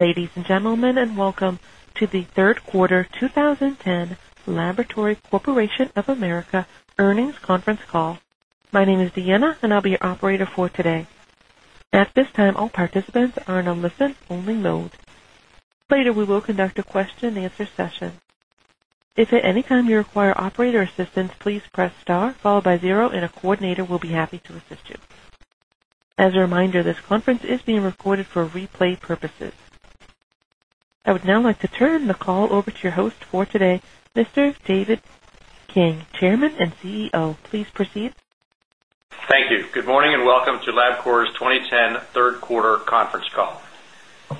Ladies and gentlemen, and welcome to the third quarter 2010 Laboratory Corporation of America earnings conference call. My name is Deanna, and I'll be your operator for today. At this time, all participants are in a listen-only mode. Later, we will conduct a question-and-answer session. If at any time you require operator assistance, please press star followed by zero, and a coordinator will be happy to assist you. As a reminder, this conference is being recorded for replay purposes. I would now like to turn the call over to your host for today, Mr. David King, Chairman and CEO. Please proceed. Thank you. Good morning and welcome to Labcorp's 2010 third quarter conference call.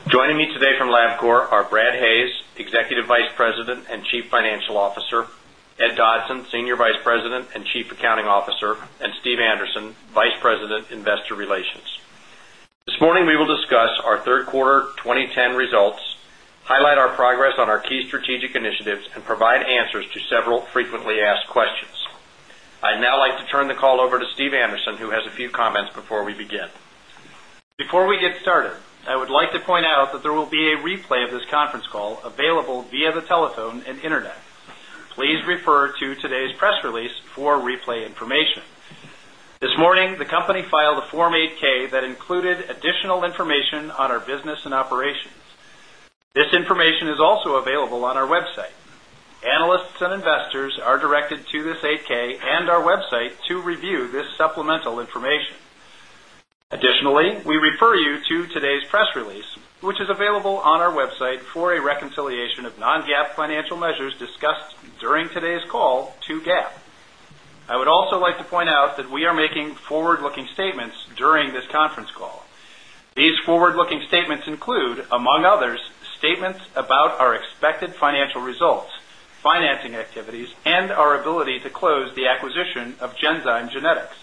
Joining me today from Labcorp are Brad Hayes, Executive Vice President and Chief Financial Officer; Ed Dodson, Senior Vice President and Chief Accounting Officer; and Steve Anderson, Vice President, Investor Relations. This morning, we will discuss our third quarter 2010 results, highlight our progress on our key strategic initiatives, and provide answers to several frequently asked questions. I'd now like to turn the call over to Steve Anderson, who has a few comments before we begin. Before we get started, I would like to point out that there will be a replay of this conference call available via the telephone and internet. Please refer to today's press release for replay information. This morning, the company filed a Form 8-K that included additional information on our business and operations. This information is also available on our website. Analysts and investors are directed to this 8-K and our website to review this supplemental information. Additionally, we refer you to today's press release, which is available on our website for a reconciliation of Non-GAAP financial measures discussed during today's call to GAAP. I would also like to point out that we are making forward-looking statements during this conference call. These forward-looking statements include, among others, statements about our expected financial results, financing activities, and our ability to close the acquisition of Genzyme Genetics.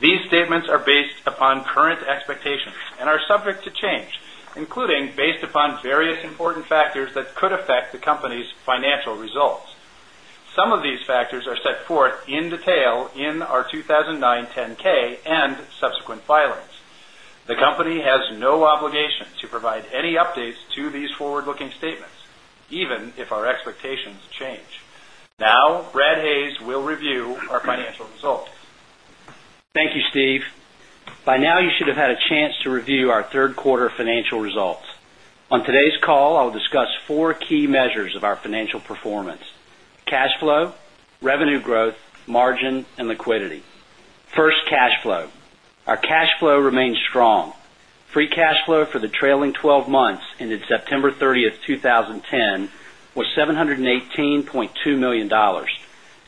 These statements are based upon current expectations and are subject to change, including based upon various important factors that could affect the company's financial results. Some of these factors are set forth in detail in our 2009 10-K and subsequent filings. The company has no obligation to provide any updates to these forward-looking statements, even if our expectations change. Now, Hayes will review our financial results. Thank you, Steve. By now, you should have had a chance to review our third quarter financial results. On today's call, I'll discuss four key measures of our financial performance: cash flow, revenue growth, margin, and liquidity. First, cash flow. Our cash flow remains strong. Free Cash Flow for the trailing 12 months ended September 30th, 2010, was $718.2 million,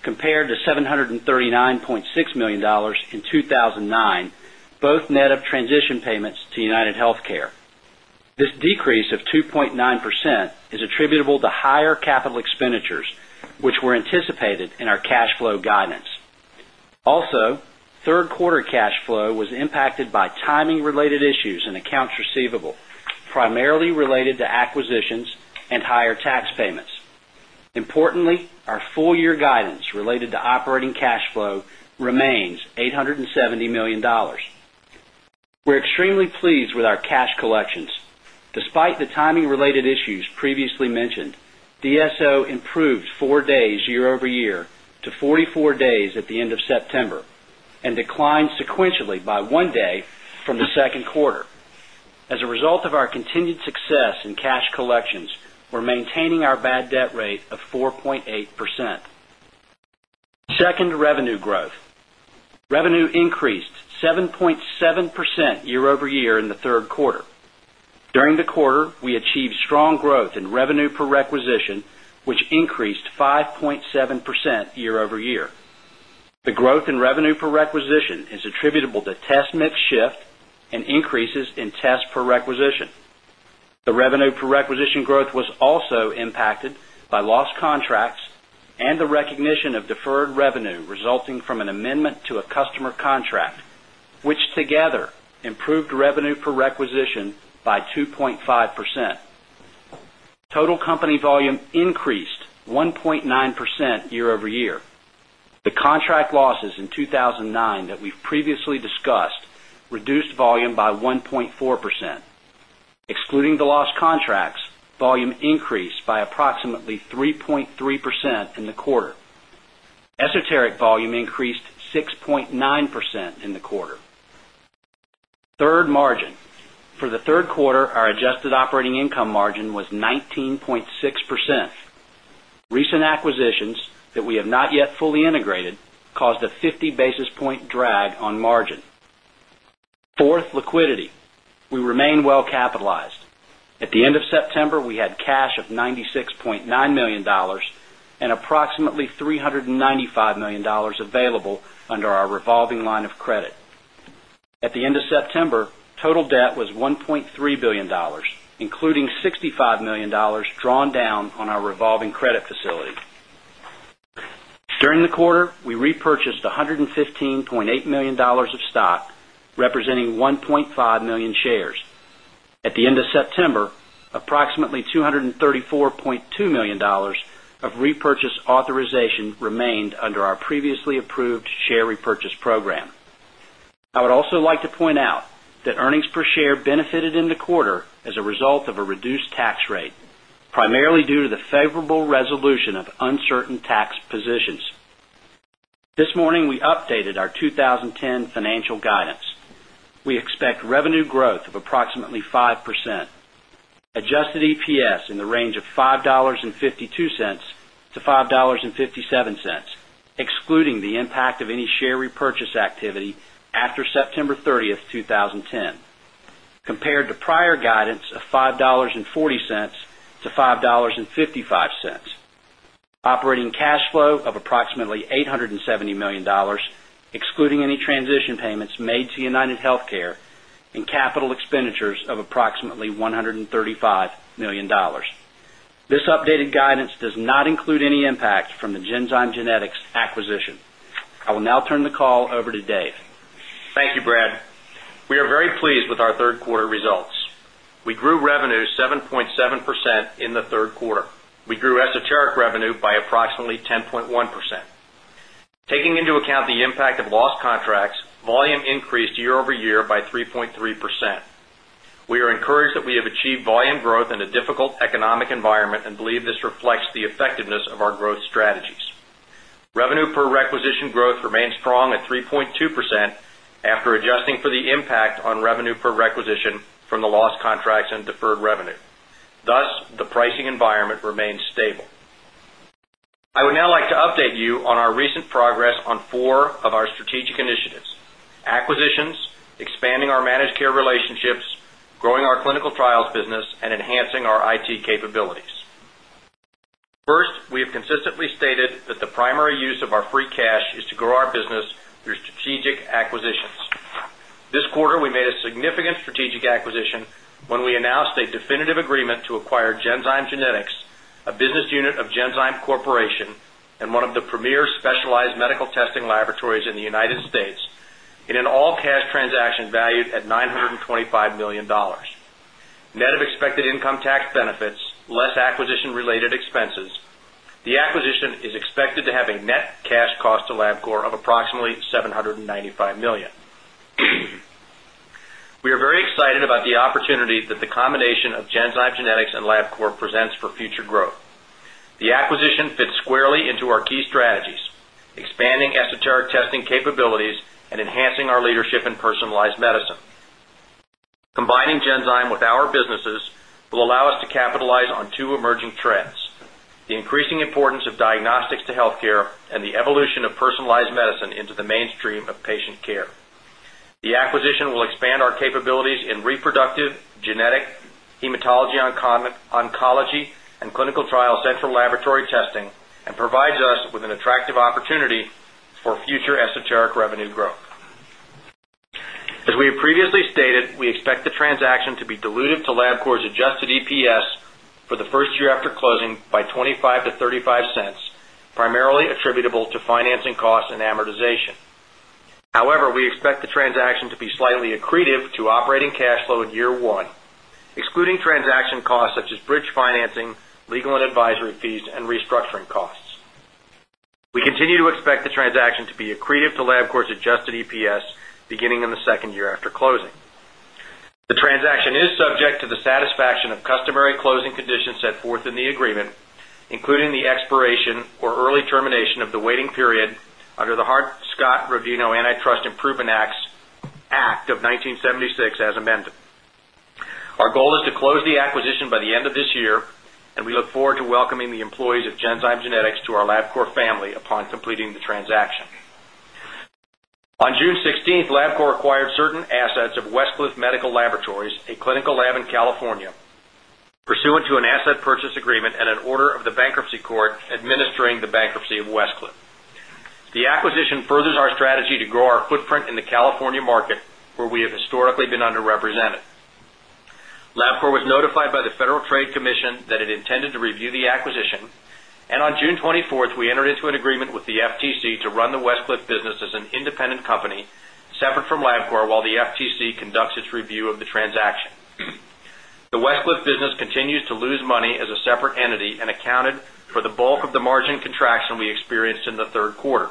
compared to $739.6 million in 2009, both net of transition payments to UnitedHealthcare. This decrease of 2.9% is attributable to higher capital expenditures, which were anticipated in our cash flow guidance. Also, third quarter cash flow was impacted by timing-related issues in accounts receivable, primarily related to acquisitions and higher tax payments. Importantly, our full-year guidance related to operating cash flow remains $870 million. We're extremely pleased with our cash collections. Despite the timing-related issues previously mentioned, DSO improved four days year-over-year to 44 days at the end of September and declined sequentially by one day from the second quarter. As a result of our continued success in cash collections, we're maintaining our bad debt rate of 4.8%. Second, revenue growth. Revenue increased 7.7% year-over-year in the third quarter. During the quarter, we achieved strong growth in revenue per requisition, which increased 5.7% year-over-year. The growth in revenue per requisition is attributable to test mix shift and increases in test per requisition. The revenue per requisition growth was also impacted by lost contracts and the recognition of deferred revenue resulting from an amendment to a customer contract, which together improved revenue per requisition by 2.5%. Total company volume increased 1.9% year-over-year. The contract losses in 2009 that we've previously discussed reduced volume by 1.4%. Excluding the lost contracts, volume increased by approximately 3.3% in the quarter. Esoteric volume increased 6.9% in the quarter. Third, margin. For the third quarter, our adjusted operating income margin was 19.6%. Recent acquisitions that we have not yet fully integrated caused a 50 basis point drag on margin. Fourth, liquidity. We remain well capitalized. At the end of September, we had cash of $96.9 million and approximately $395 million available under our revolving line of credit. At the end of September, total debt was $1.3 billion, including $65 million drawn down on our revolving credit facility. During the quarter, we repurchased $115.8 million of stock, representing 1.5 million shares. At the end of September, approximately $234.2 million of repurchase authorization remained under our previously approved share repurchase program. I would also like to point out that earnings per share benefited in the quarter as a result of a reduced tax rate, primarily due to the favorable resolution of uncertain tax positions. This morning, we updated our 2010 financial guidance. We expect revenue growth of approximately 5%. Adjusted EPS in the range of $5.52-$5.57, excluding the impact of any share repurchase activity after September 30th, 2010, compared to prior guidance of $5.40-$5.55. Operating cash flow of approximately $870 million, excluding any transition payments made to UnitedHealthcare, and capital expenditures of approximately $135 million. This updated guidance does not include any impact from the Genzyme Genetics acquisition. I will now turn the call over to Dave. Thank you, Brad. We are very pleased with our third quarter results. We grew revenue 7.7% in the third quarter. We grew esoteric revenue by approximately 10.1%. Taking into account the impact of lost contracts, volume increased year-over-year by 3.3%. We are encouraged that we have achieved volume growth in a difficult economic environment and believe this reflects the effectiveness of our growth strategies. Revenue per requisition growth remains strong at 3.2% after adjusting for the impact on revenue per requisition from the lost contracts and deferred revenue. Thus, the pricing environment remains stable. I would now like to update you on our recent progress on four of our strategic initiatives: acquisitions, expanding our managed care relationships, growing our clinical trials business, and enhancing our IT capabilities. First, we have consistently stated that the primary use of our free cash is to grow our business through strategic acquisitions. This quarter, we made a significant strategic acquisition when we announced a definitive agreement to acquire Genzyme Genetics, a business unit of Genzyme Corporation and one of the premier specialized medical testing laboratories in the United States, in an all-cash transaction valued at $925 million. Net of expected income tax benefits, less acquisition-related expenses, the acquisition is expected to have a net cash cost to Labcorp of approximately $795 million. We are very excited about the opportunity that the combination of Genzyme Genetics and Labcorp presents for future growth. The acquisition fits squarely into our key strategies: expanding esoteric testing capabilities and enhancing our leadership in personalized medicine. Combining Genzyme with our businesses will allow us to capitalize on two emerging trends: the increasing importance of diagnostics to healthcare and the evolution of personalized medicine into the mainstream of patient care. The acquisition will expand our capabilities in reproductive, genetic, hematology-oncology, and clinical trial central laboratory testing and provides us with an attractive opportunity for future esoteric revenue growth. As we have previously stated, we expect the transaction to be diluted to Labcorp's adjusted EPS for the first year after closing by $0.25-$0.35, primarily attributable to financing costs and amortization. However, we expect the transaction to be slightly accretive to operating cash flow in year one, excluding transaction costs such as bridge financing, legal and advisory fees, and restructuring costs. We continue to expect the transaction to be accretive to Labcorp's adjusted EPS beginning in the second year after closing. The transaction is subject to the satisfaction of customary closing conditions set forth in the agreement, including the expiration or early termination of the waiting period under the Hart-Scott-Rodino Antitrust Improvement Act of 1976 as amended. Our goal is to close the acquisition by the end of this year, and we look forward to welcoming the employees of Genzyme Genetics to our Labcorp family upon completing the transaction. On June 16th, Labcorp acquired certain assets of Westcliff Medical Laboratories, a clinical lab in California, pursuant to an asset purchase agreement and an order of the bankruptcy court administering the bankruptcy of Westcliff. The acquisition furthers our strategy to grow our footprint in the California market, where we have historically been underrepresented. Labcorp was notified by the Federal Trade Commission that it intended to review the acquisition, and on June 24th, we entered into an agreement with the FTC to run the Westcliff business as an independent company separate from Labcorp while the FTC conducts its review of the transaction. The Westcliff business continues to lose money as a separate entity and accounted for the bulk of the margin contraction we experienced in the third quarter.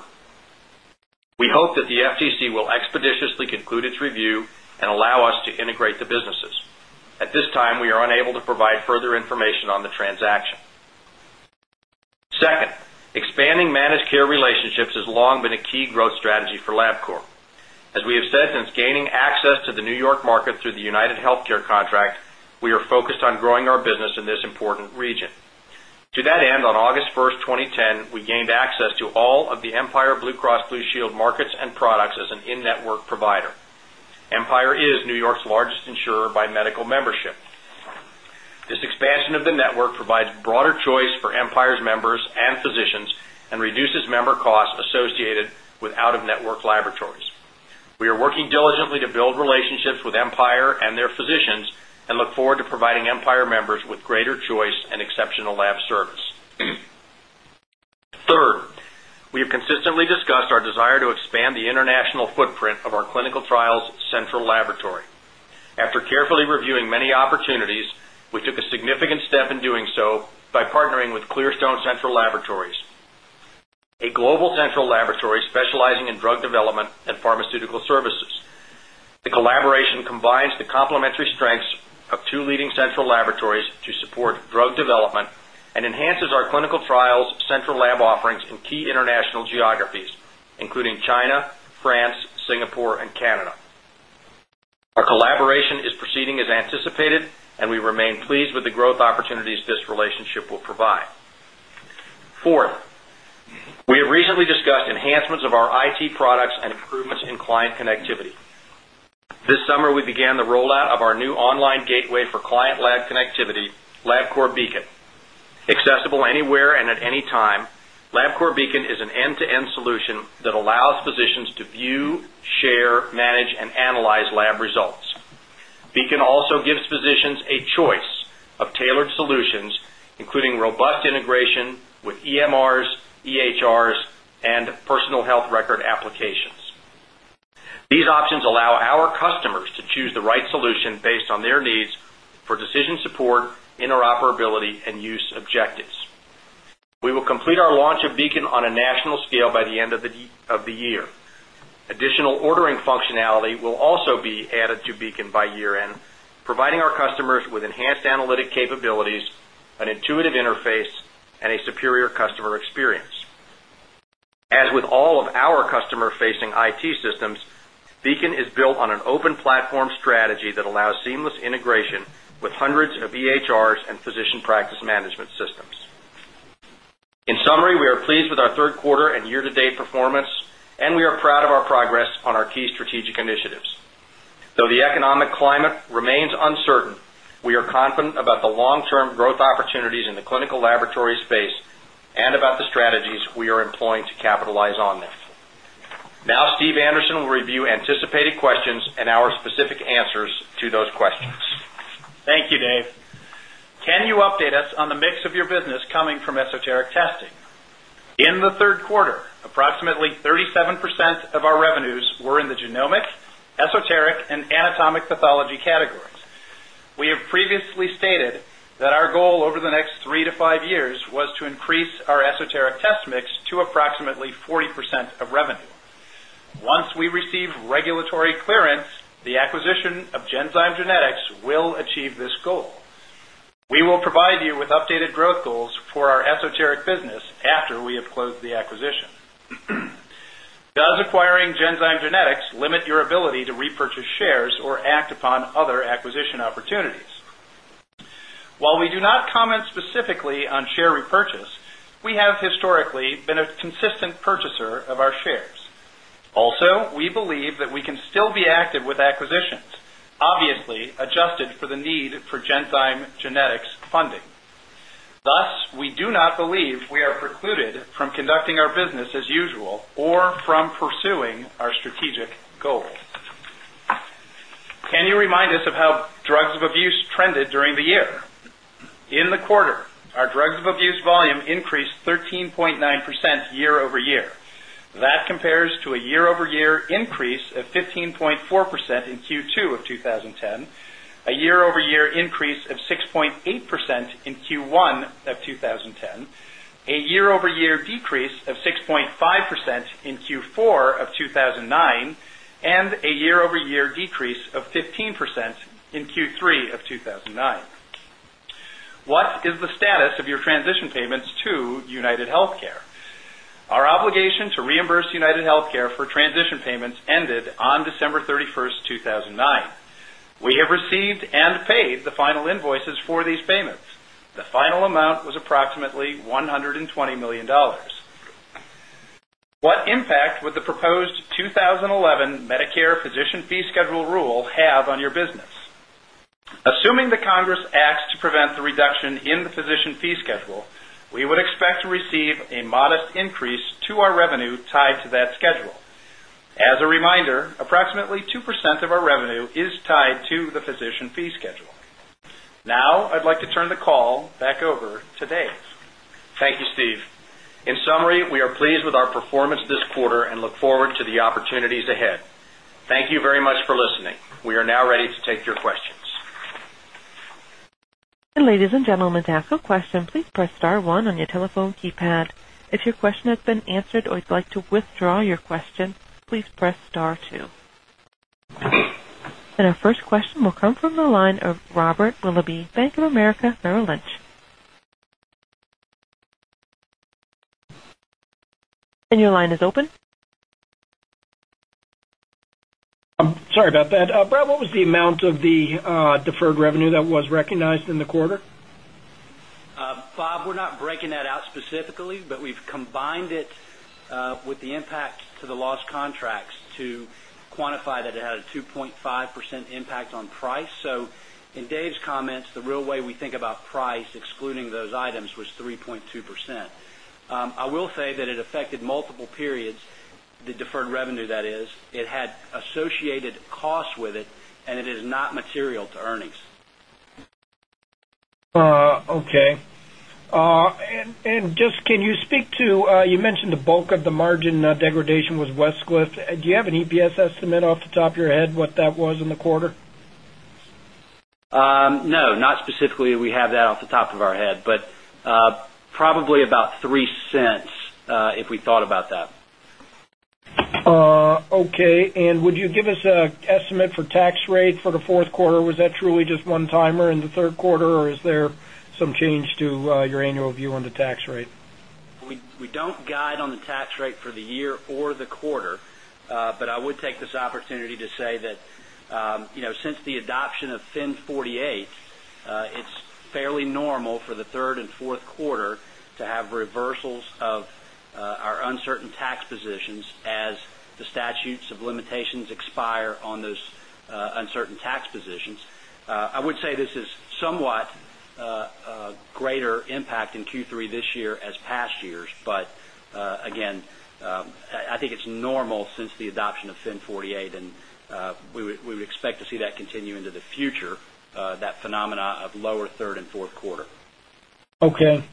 We hope that the FTC will expeditiously conclude its review and allow us to integrate the businesses. At this time, we are unable to provide further information on the transaction. Second, expanding managed care relationships has long been a key growth strategy for Labcorp. As we have said, since gaining access to the New York market through the UnitedHealthcare contract, we are focused on growing our business in this important region. To that end, on August 1, 2010, we gained access to all of the Empire Blue Cross Blue Shield markets and products as an in-network provider. Empire is New York's largest insurer by medical membership. This expansion of the network provides broader choice for Empire's members and physicians and reduces member costs associated with out-of-network laboratories. We are working diligently to build relationships with Empire and their physicians and look forward to providing Empire members with greater choice and exceptional lab service. Third, we have consistently discussed our desire to expand the international footprint of our clinical trials central laboratory. After carefully reviewing many opportunities, we took a significant step in doing so by partnering with Clearstone Central Laboratories, a global central laboratory specializing in drug development and pharmaceutical services. The collaboration combines the complementary strengths of two leading central laboratories to support drug development and enhances our clinical trials central lab offerings in key international geographies, including China, France, Singapore, and Canada. Our collaboration is proceeding as anticipated, and we remain pleased with the growth opportunities this relationship will provide. Fourth, we have recently discussed enhancements of our IT products and improvements in client connectivity. This summer, we began the rollout of our new online gateway for client lab connectivity, Labcorp Beacon. Accessible anywhere and at any time, Labcorp Beacon is an end-to-end solution that allows physicians to view, share, manage, and analyze lab results. Beacon also gives physicians a choice of tailored solutions, including robust integration with EMRs, EHRs, and personal health record applications. These options allow our customers to choose the right solution based on their needs for decision support, interoperability, and use objectives. We will complete our launch of Beacon on a national scale by the end of the year. Additional ordering functionality will also be added to Beacon by year-end, providing our customers with enhanced analytic capabilities, an intuitive interface, and a superior customer experience. As with all of our customer-facing IT systems, Beacon is built on an open platform strategy that allows seamless integration with hundreds of EHRs and physician practice management systems. In summary, we are pleased with our third quarter and year-to-date performance, and we are proud of our progress on our key strategic initiatives. Though the economic climate remains uncertain, we are confident about the long-term growth opportunities in the clinical laboratory space and about the strategies we are employing to capitalize on them. Now, Steve Anderson will review anticipated questions and our specific answers to those questions. Thank you, Dave. Can you update us on the mix of your business coming from esoteric testing? In the third quarter, approximately 37% of our revenues were in the genomic, esoteric, and anatomic pathology categories. We have previously stated that our goal over the next 3-5 years was to increase our esoteric test mix to approximately 40% of revenue. Once we receive regulatory clearance, the acquisition of Genzyme Genetics will achieve this goal. We will provide you with updated growth goals for our esoteric business after we have closed the acquisition. Does acquiring Genzyme Genetics limit your ability to repurchase shares or act upon other acquisition opportunities? While we do not comment specifically on share repurchase, we have historically been a consistent purchaser of our shares. Also, we believe that we can still be active with acquisitions, obviously adjusted for the need for Genzyme Genetics funding. Thus, we do not believe we are precluded from conducting our business as usual or from pursuing our strategic goals. Can you remind us of how drugs of abuse trended during the year? In the quarter, our drugs of abuse volume increased 13.9% year-over-year. That compares to a year-over-year increase of 15.4% in Q2 of 2010, a year-over-year increase of 6.8% in Q1 of 2010, a year-over-year decrease of 6.5% in Q4 of 2009, and a year-over-year decrease of 15% in Q3 of 2009. What is the status of your transition payments to UnitedHealthcare? Our obligation to reimburse UnitedHealthcare for transition payments ended on December 31st, 2009. We have received and paid the final invoices for these payments. The final amount was approximately $120 million. What impact would the proposed 2011 Medicare physician fee schedule rule have on your business? Assuming the Congress acts to prevent the reduction in the physician fee schedule, we would expect to receive a modest increase to our revenue tied to that schedule. As a reminder, approximately 2% of our revenue is tied to the physician fee schedule. Now, I'd like to turn the call back over to Dave. Thank you, Steve. In summary, we are pleased with our performance this quarter and look forward to the opportunities ahead. Thank you very much for listening. We are now ready to take your questions. Ladies and gentlemen, to ask a question, please press star one on your telephone keypad. If your question has been answered or you'd like to withdraw your question, please press star two. Our first question will come from the line of Robert Willoughby, Bank of America Merrill Lynch. Your line is open. I'm sorry about that. Brad, what was the amount of the deferred revenue that was recognized in the quarter? Rob, we're not breaking that out specifically, but we've combined it with the impact to the lost contracts to quantify that it had a 2.5% impact on price. In Dave's comments, the real way we think about price, excluding those items, was 3.2%. I will say that it affected multiple periods, the deferred revenue, that is. It had associated costs with it, and it is not material to earnings. Okay. And just can you speak to, you mentioned the bulk of the margin degradation was Westcliff. Do you have an EPS estimate off the top of your head what that was in the quarter? No, not specifically. We have that off the top of our head, but probably about $0.03 if we thought about that. Okay. Would you give us an estimate for tax rate for the fourth quarter? Was that truly just one-timer in the third quarter, or is there some change to your annual view on the tax rate? We don't guide on the tax rate for the year or the quarter, but I would take this opportunity to say that since the adoption of FIN 48, it's fairly normal for the third and fourth quarter to have reversals of our uncertain tax positions as the statutes of limitations expire on those uncertain tax positions. I would say this is somewhat greater impact in Q3 this year as past years, but again, I think it's normal since the adoption of FIN 48, and we would expect to see that continue into the future, that phenomena of lower third and fourth quarter. Okay.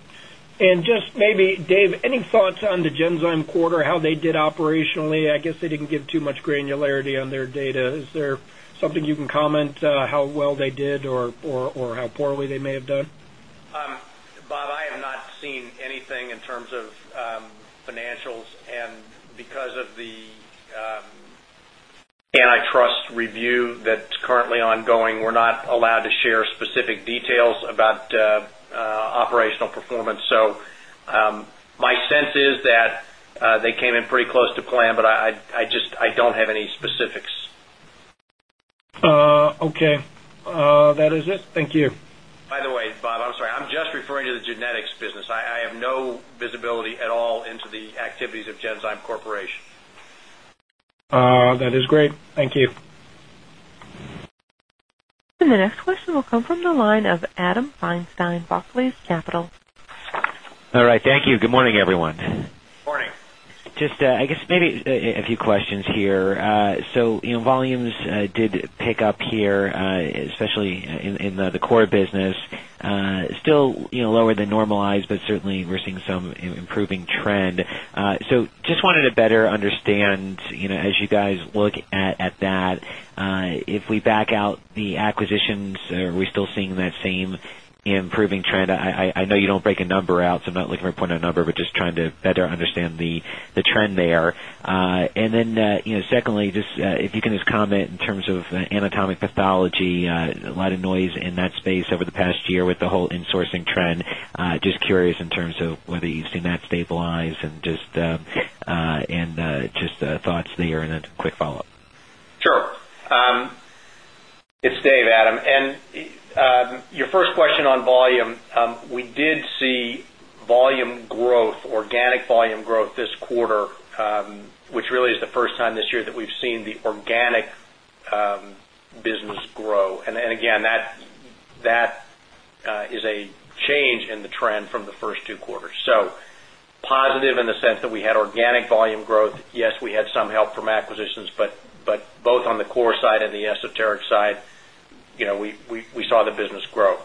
Just maybe, Dave, any thoughts on the Genzyme quarter, how they did operationally? I guess they did not give too much granularity on their data. Is there something you can comment, how well they did or how poorly they may have done? Bob, I have not seen anything in terms of financials, and because of the antitrust review that is currently ongoing, we are not allowed to share specific details about operational performance. My sense is that they came in pretty close to plan, but I do not have any specifics. Okay. That is it. Thank you. By the way, Rob, I'm sorry. I'm just referring to the genetics business. I have no visibility at all into the activities of Genzyme Corporation. That is great. Thank you. The next question will come from the line of Adam Feinstein, Barclays Capital. All right. Thank you. Good morning, everyone. Good morning. Just, I guess, maybe a few questions here. Volumes did pick up here, especially in the core business. Still lower than normalized, but certainly we're seeing some improving trend. I just wanted to better understand as you guys look at that, if we back out the acquisitions, are we still seeing that same improving trend? I know you don't break a number out, so I'm not looking for a point of number, but just trying to better understand the trend there. Secondly, if you can just comment in terms of anatomic pathology, a lot of noise in that space over the past year with the whole insourcing trend. Just curious in terms of whether you've seen that stabilize and just thoughts there and a quick follow-up. Sure. It's Dave, Adam. Your first question on volume, we did see organic volume growth this quarter, which really is the first time this year that we've seen the organic business grow. That is a change in the trend from the first two quarters. Positive in the sense that we had organic volume growth. Yes, we had some help from acquisitions, but both on the core side and the esoteric side, we saw the business grow.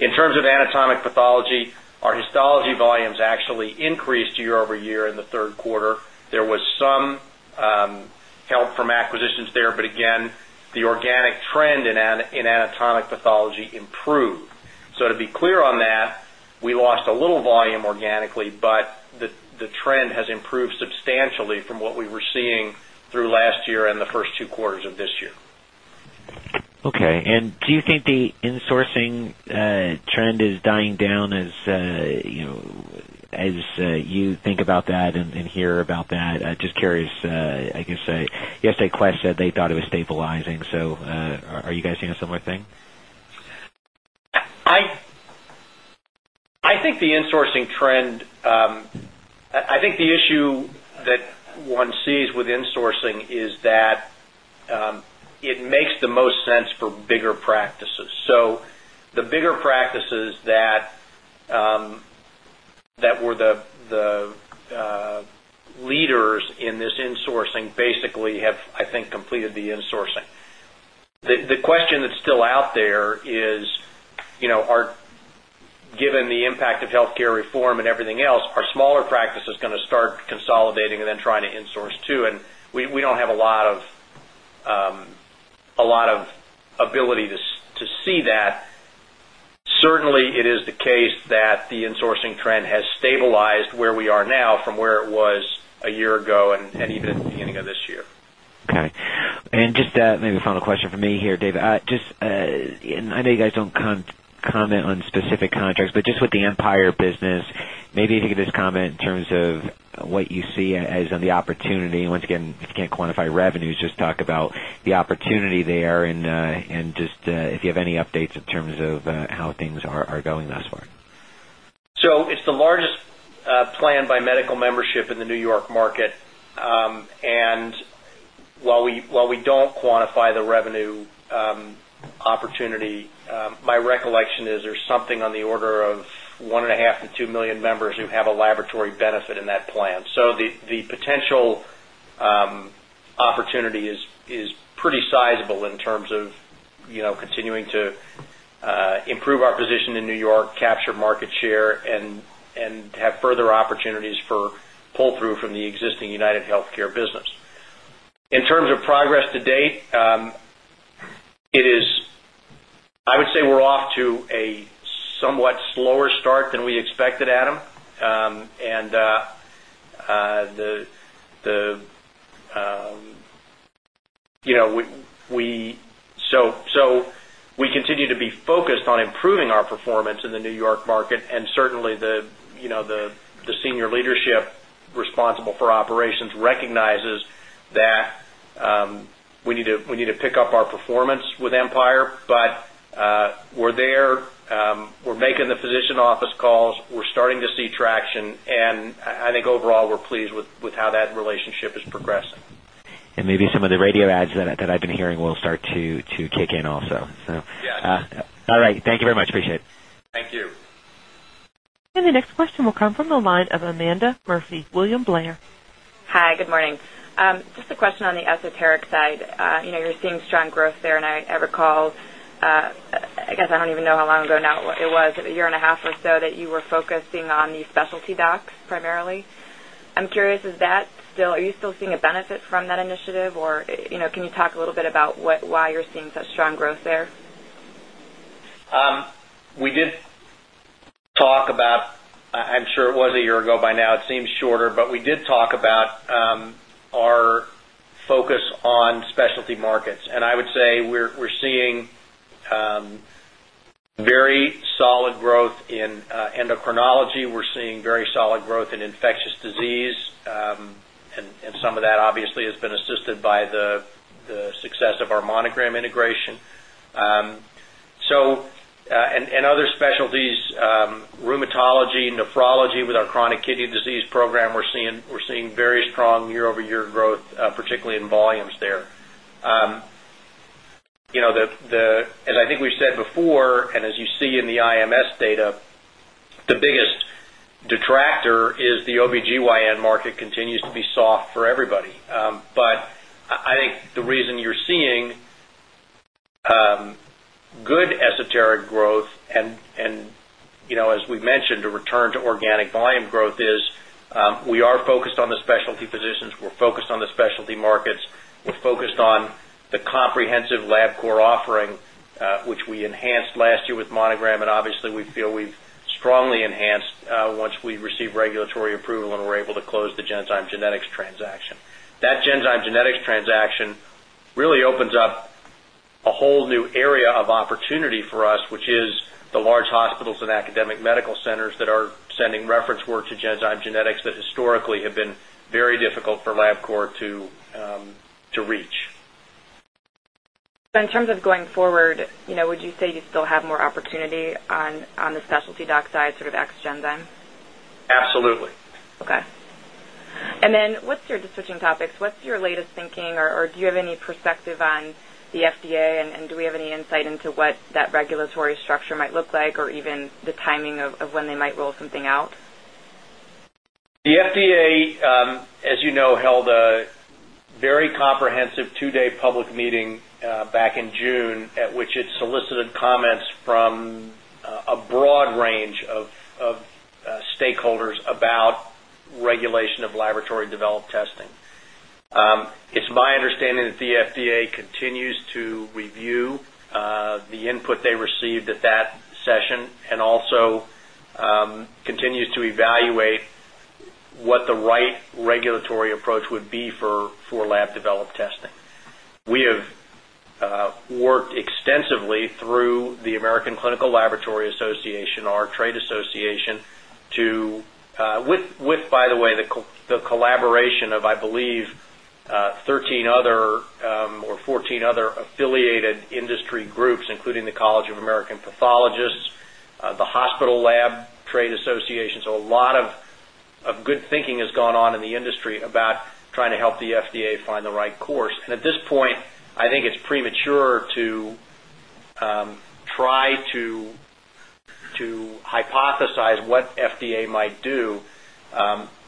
In terms of anatomic pathology, our histology volumes actually increased year-over-year in the third quarter. There was some help from acquisitions there, but the organic trend in anatomic pathology improved. To be clear on that, we lost a little volume organically, but the trend has improved substantially from what we were seeing through last year and the first two quarters of this year. Okay. Do you think the insourcing trend is dying down as you think about that and hear about that? Just curious. I guess yesterday, Quest said they thought it was stabilizing. Are you guys seeing a similar thing? I think the insourcing trend, I think the issue that one sees with insourcing is that it makes the most sense for bigger practices. The bigger practices that were the leaders in this insourcing basically have, I think, completed the insourcing. The question that's still out there is, given the impact of healthcare reform and everything else, are smaller practices going to start consolidating and then trying to insource too? We do not have a lot of ability to see that. Certainly, it is the case that the insourcing trend has stabilized where we are now from where it was a year ago and even at the beginning of this year. Okay. Just maybe a final question for me here, Dave. I know you guys don't comment on specific contracts, but just with the Empire business, maybe if you could just comment in terms of what you see as the opportunity. Once again, if you can't quantify revenues, just talk about the opportunity there and if you have any updates in terms of how things are going thus far. It's the largest plan by medical membership in the New York market. While we don't quantify the revenue opportunity, my recollection is there's something on the order of one and a half to two million members who have a laboratory benefit in that plan. The potential opportunity is pretty sizable in terms of continuing to improve our position in New York, capture market share, and have further opportunities for pull-through from the existing UnitedHealthcare business. In terms of progress to date, I would say we're off to a somewhat slower start than we expected, Adam. We continue to be focused on improving our performance in the New York market. Certainly, the senior leadership responsible for operations recognizes that we need to pick up our performance with Empire, but we're there. We're making the physician office calls. We're starting to see traction. I think overall, we're pleased with how that relationship is progressing. Maybe some of the radio ads that I've been hearing will start to kick in also. Yes. All right. Thank you very much. Appreciate it. Thank you. The next question will come from the line of Amanda Murphy, William Blair. Hi. Good morning. Just a question on the esoteric side. You're seeing strong growth there. I recall, I guess I don't even know how long ago now it was, a year and a half or so, that you were focusing on the specialty docs primarily. I'm curious, are you still seeing a benefit from that initiative, or can you talk a little bit about why you're seeing such strong growth there? We did talk about, I'm sure it was a year ago by now. It seems shorter, but we did talk about our focus on specialty markets. I would say we're seeing very solid growth in endocrinology. We're seeing very solid growth in infectious disease. Some of that, obviously, has been assisted by the success of our Monogram integration. Other specialties, rheumatology, nephrology with our chronic kidney disease program, we're seeing very strong year-over-year growth, particularly in volumes there. As I think we've said before, and as you see in the IMS data, the biggest detractor is the OB-GYN market continues to be soft for everybody. I think the reason you're seeing good esoteric growth, and as we've mentioned, the return to organic volume growth is we are focused on the specialty physicians. We're focused on the specialty markets. We're focused on the comprehensive Labcorp offering, which we enhanced last year with Monogram. Obviously, we feel we've strongly enhanced once we received regulatory approval and were able to close the Genzyme Genetics transaction. That Genzyme Genetics transaction really opens up a whole new area of opportunity for us, which is the large hospitals and academic medical centers that are sending reference work to Genzyme Genetics that historically have been very difficult for Labcorp to reach. In terms of going forward, would you say you still have more opportunity on the specialty doc side sort of ex-Genzyme? Absolutely. Okay. And then just switching topics, what's your latest thinking, or do you have any perspective on the FDA, and do we have any insight into what that regulatory structure might look like or even the timing of when they might roll something out? The FDA, as you know, held a very comprehensive two-day public meeting back in June at which it solicited comments from a broad range of stakeholders about regulation of laboratory-developed testing. It's my understanding that the FDA continues to review the input they received at that session and also continues to evaluate what the right regulatory approach would be for lab-developed testing. We have worked extensively through the American Clinical Laboratory Association, our trade association, with, by the way, the collaboration of, I believe, 13 or 14 other affiliated industry groups, including the College of American Pathologists, the Hospital Lab Trade Association. A lot of good thinking has gone on in the industry about trying to help the FDA find the right course. At this point, I think it's premature to try to hypothesize what FDA might do.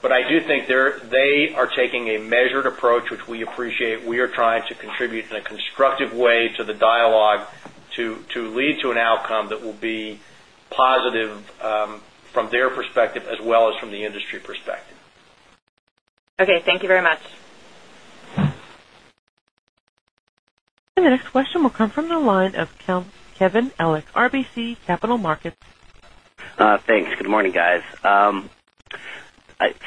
I do think they are taking a measured approach, which we appreciate. We are trying to contribute in a constructive way to the dialogue to lead to an outcome that will be positive from their perspective as well as from the industry perspective. Okay. Thank you very much. The next question will come from the line of Kevin Ellich, RBC Capital Markets. Thanks. Good morning, guys.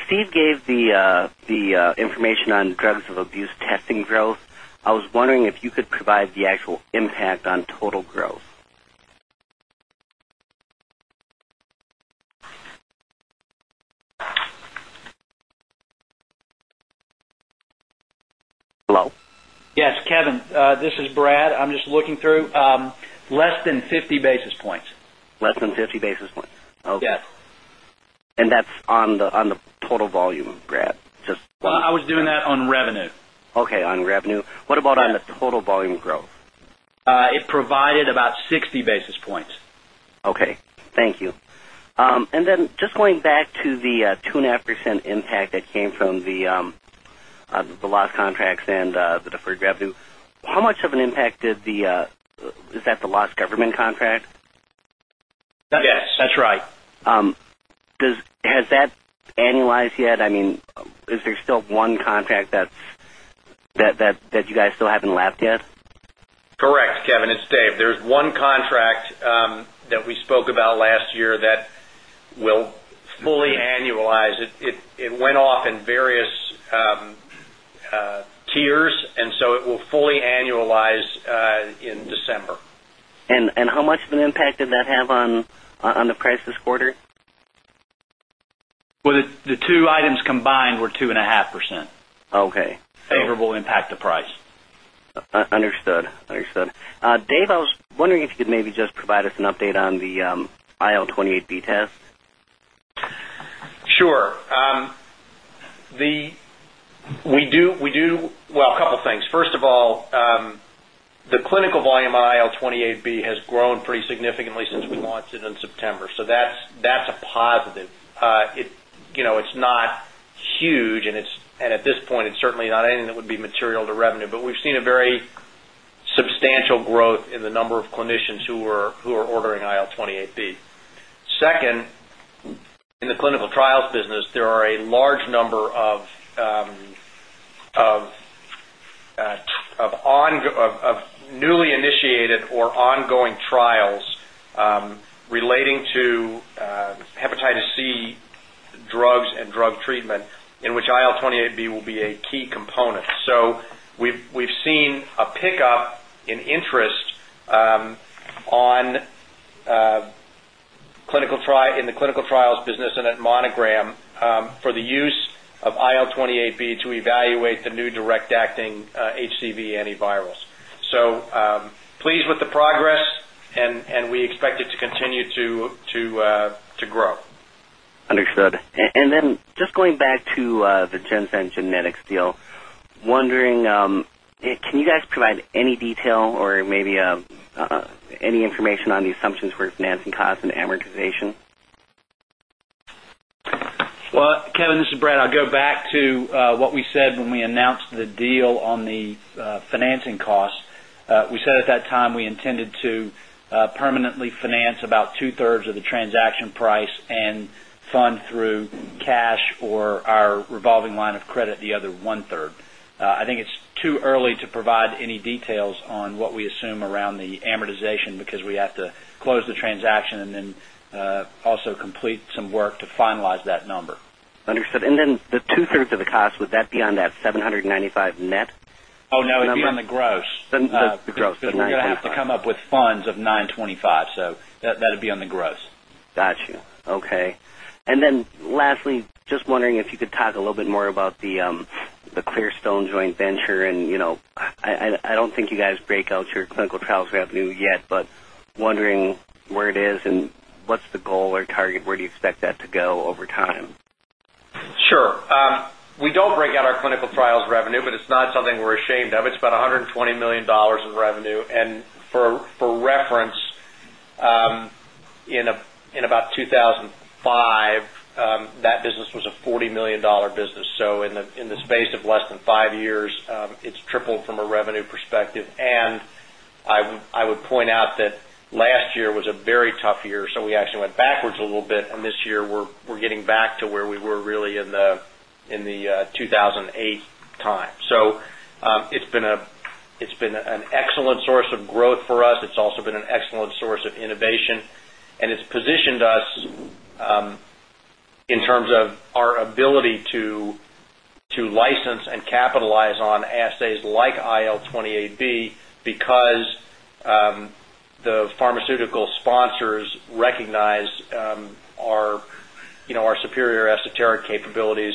Steve gave the information on drugs of abuse testing growth. I was wondering if you could provide the actual impact on total growth. Hello? Yes, Kevin. This is Brad. I'm just looking through. Less than 50 basis points. Less than 50 basis points. Okay. Yes. That's on the total volume, Brad? Just. I was doing that on revenue. Okay. On revenue. What about on the total volume growth? It provided about 60 basis points. Okay. Thank you. And then just going back to the 2.5% impact that came from the lost contracts and the deferred revenue, how much of an impact did the— is that the lost government contract? Yes. That's right. Has that annualized yet? I mean, is there still one contract that you guys still haven't lapped yet? Correct, Kevin. It's Dave. There's one contract that we spoke about last year that will fully annualize. It went off in various tiers, and so it will fully annualize in December. How much of an impact did that have on the price this quarter? The two items combined were 2.5%. Okay. Favorable impact to price. Understood. Understood. Dave, I was wondering if you could maybe just provide us an update on the IL-28B test. Sure. We do, well, a couple of things. First of all, the clinical volume on IL-28B has grown pretty significantly since we launched it in September. That is a positive. It is not huge, and at this point, it is certainly not anything that would be material to revenue. We have seen a very substantial growth in the number of clinicians who are ordering IL-28B. Second, in the clinical trials business, there are a large number of newly initiated or ongoing trials relating to Hepatitis C drugs and drug treatment in which IL-28B will be a key component. We have seen a pickup in interest in the clinical trials business and at Monogram for the use of IL-28B to evaluate the new direct-acting HCV antivirals. Pleased with the progress, and we expect it to continue to grow. Understood. And then just going back to the Genzyme Genetics deal, wondering, can you guys provide any detail or maybe any information on the assumptions for financing costs and amortization? Kevin, this is Brad. I'll go back to what we said when we announced the deal on the financing costs. We said at that time we intended to permanently finance about two-thirds of the transaction price and fund through cash or our revolving line of credit the other one-third. I think it's too early to provide any details on what we assume around the amortization because we have to close the transaction and then also complete some work to finalize that number. Understood. And then the two-thirds of the cost, would that be on that $795 net? Oh, no. It'd be on the gross. The gross. The $925. You're going to have to come up with funds of $925. So that'd be on the gross. Gotcha. Okay. Lastly, just wondering if you could talk a little bit more about the Clearstone Joint Venture. I do not think you guys break out your clinical trials revenue yet, but wondering where it is and what is the goal or target? Where do you expect that to go over time? Sure. We do not break out our clinical trials revenue, but it is not something we are ashamed of. It is about $120 million in revenue. For reference, in about 2005, that business was a $40 million business. In the space of less than five years, it has tripled from a revenue perspective. I would point out that last year was a very tough year. We actually went backwards a little bit. This year, we are getting back to where we were really in the 2008 time. It has been an excellent source of growth for us. It has also been an excellent source of innovation. It has positioned us in terms of our ability to license and capitalize on assays like IL-28B because the pharmaceutical sponsors recognize our superior esoteric capabilities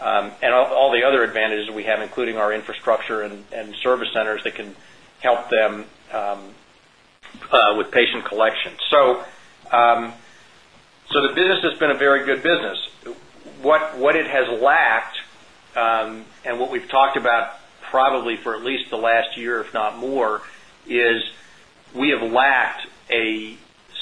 and all the other advantages we have, including our infrastructure and service centers that can help them with patient collection. The business has been a very good business. What it has lacked and what we've talked about probably for at least the last year, if not more, is we have lacked a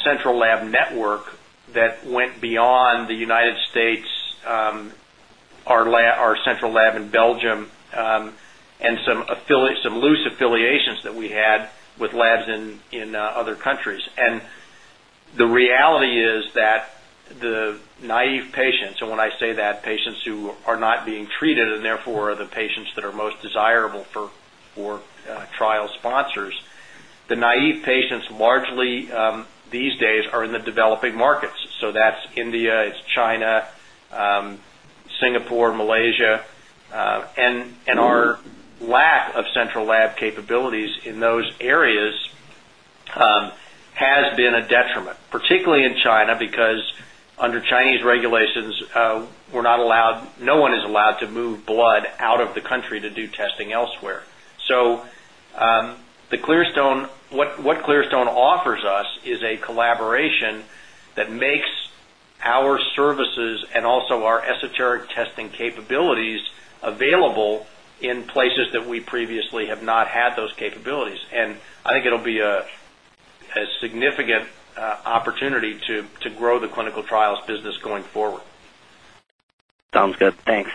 central lab network that went beyond the United States, our central lab in Belgium, and some loose affiliations that we had with labs in other countries. The reality is that the naive patients—and when I say that, patients who are not being treated and therefore are the patients that are most desirable for trial sponsors—the naive patients largely these days are in the developing markets. That is India. It is China, Singapore, Malaysia. Our lack of central lab capabilities in those areas has been a detriment, particularly in China because under Chinese regulations, no one is allowed to move blood out of the country to do testing elsewhere. What Clearstone offers us is a collaboration that makes our services and also our esoteric testing capabilities available in places that we previously have not had those capabilities. I think it'll be a significant opportunity to grow the clinical trials business going forward. Sounds good. Thanks.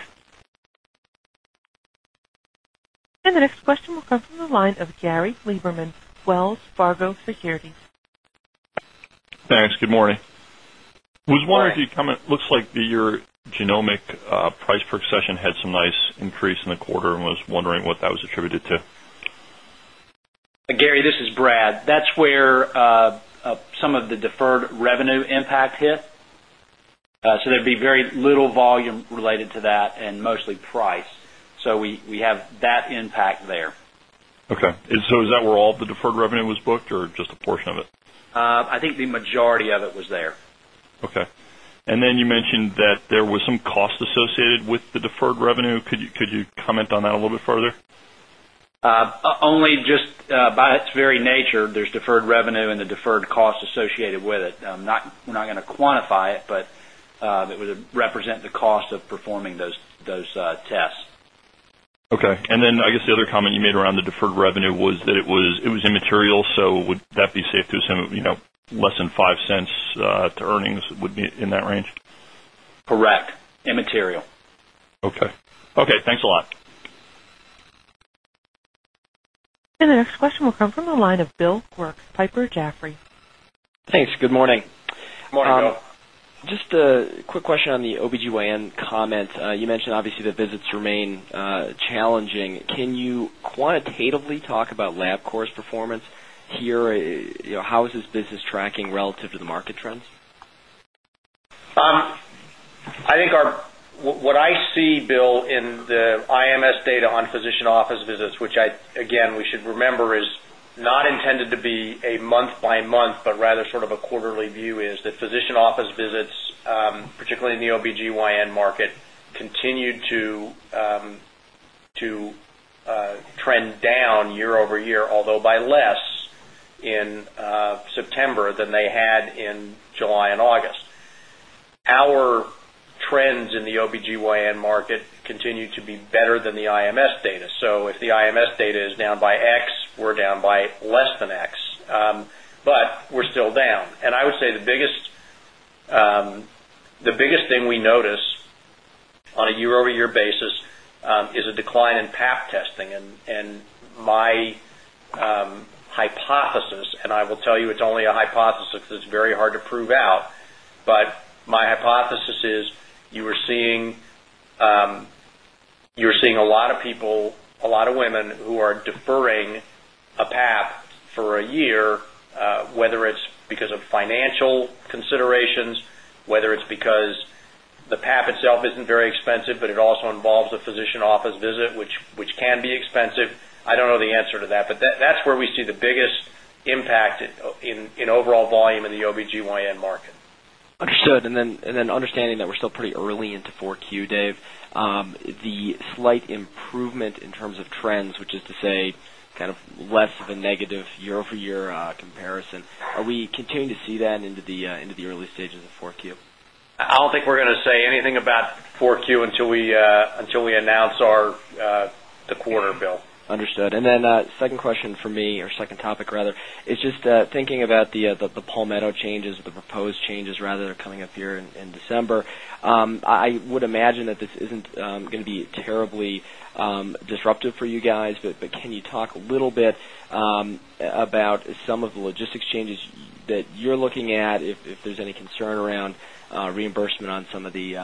The next question will come from the line of Gary Lieberman, Wells Fargo Securities. Thanks. Good morning. Was wondering if you'd come in. Looks like your genomic price per session had some nice increase in the quarter and was wondering what that was attributed to. Gary, this is Brad. That's where some of the deferred revenue impact hit. There'd be very little volume related to that and mostly price. We have that impact there. Okay. Is that where all of the deferred revenue was booked or just a portion of it? I think the majority of it was there. Okay. You mentioned that there was some cost associated with the deferred revenue. Could you comment on that a little bit further? Only just by its very nature, there's deferred revenue and the deferred cost associated with it. We're not going to quantify it, but it would represent the cost of performing those tests. Okay. I guess the other comment you made around the deferred revenue was that it was immaterial. Would that be safe to assume less than $0.05 to earnings would be in that range? Correct. Immaterial. Okay. Okay. Thanks a lot. The next question will come from the line of Bill Quirk, Piper Jaffray. Thanks. Good morning. Good morning, Bill. Just a quick question on the OB-GYN comment. You mentioned, obviously, that visits remain challenging. Can you quantitatively talk about Labcorp's performance here? How is this business tracking relative to the market trends? I think what I see, Bill, in the IMS data on physician office visits, which, again, we should remember is not intended to be a month-by-month, but rather sort of a quarterly view, is that physician office visits, particularly in the OB-GYN market, continued to trend down year-over-year, although by less in September than they had in July and August. Our trends in the OB-GYN market continue to be better than the IMS data. If the IMS data is down by X, we're down by less than X. We're still down. I would say the biggest thing we notice on a year-over-year basis is a decline in Pap testing. My hypothesis—and I will tell you it's only a hypothesis because it's very hard to prove out—is you are seeing a lot of people, a lot of women who are deferring a Pap for a year, whether it's because of financial considerations, whether it's because the Pap itself isn't very expensive, but it also involves a physician office visit, which can be expensive. I don't know the answer to that, but that's where we see the biggest impact in overall volume in the OB-GYN market. Understood. And then understanding that we're still pretty early into 4Q, Dave, the slight improvement in terms of trends, which is to say kind of less of a negative year-over-year comparison, are we continuing to see that into the early stages of 4Q? I don't think we're going to say anything about 4Q until we announce the quarter, Bill. Understood. The second question for me, or second topic, rather, is just thinking about the Palmetto changes, the proposed changes rather that are coming up here in December. I would imagine that this isn't going to be terribly disruptive for you guys, but can you talk a little bit about some of the logistics changes that you're looking at if there's any concern around reimbursement on some of the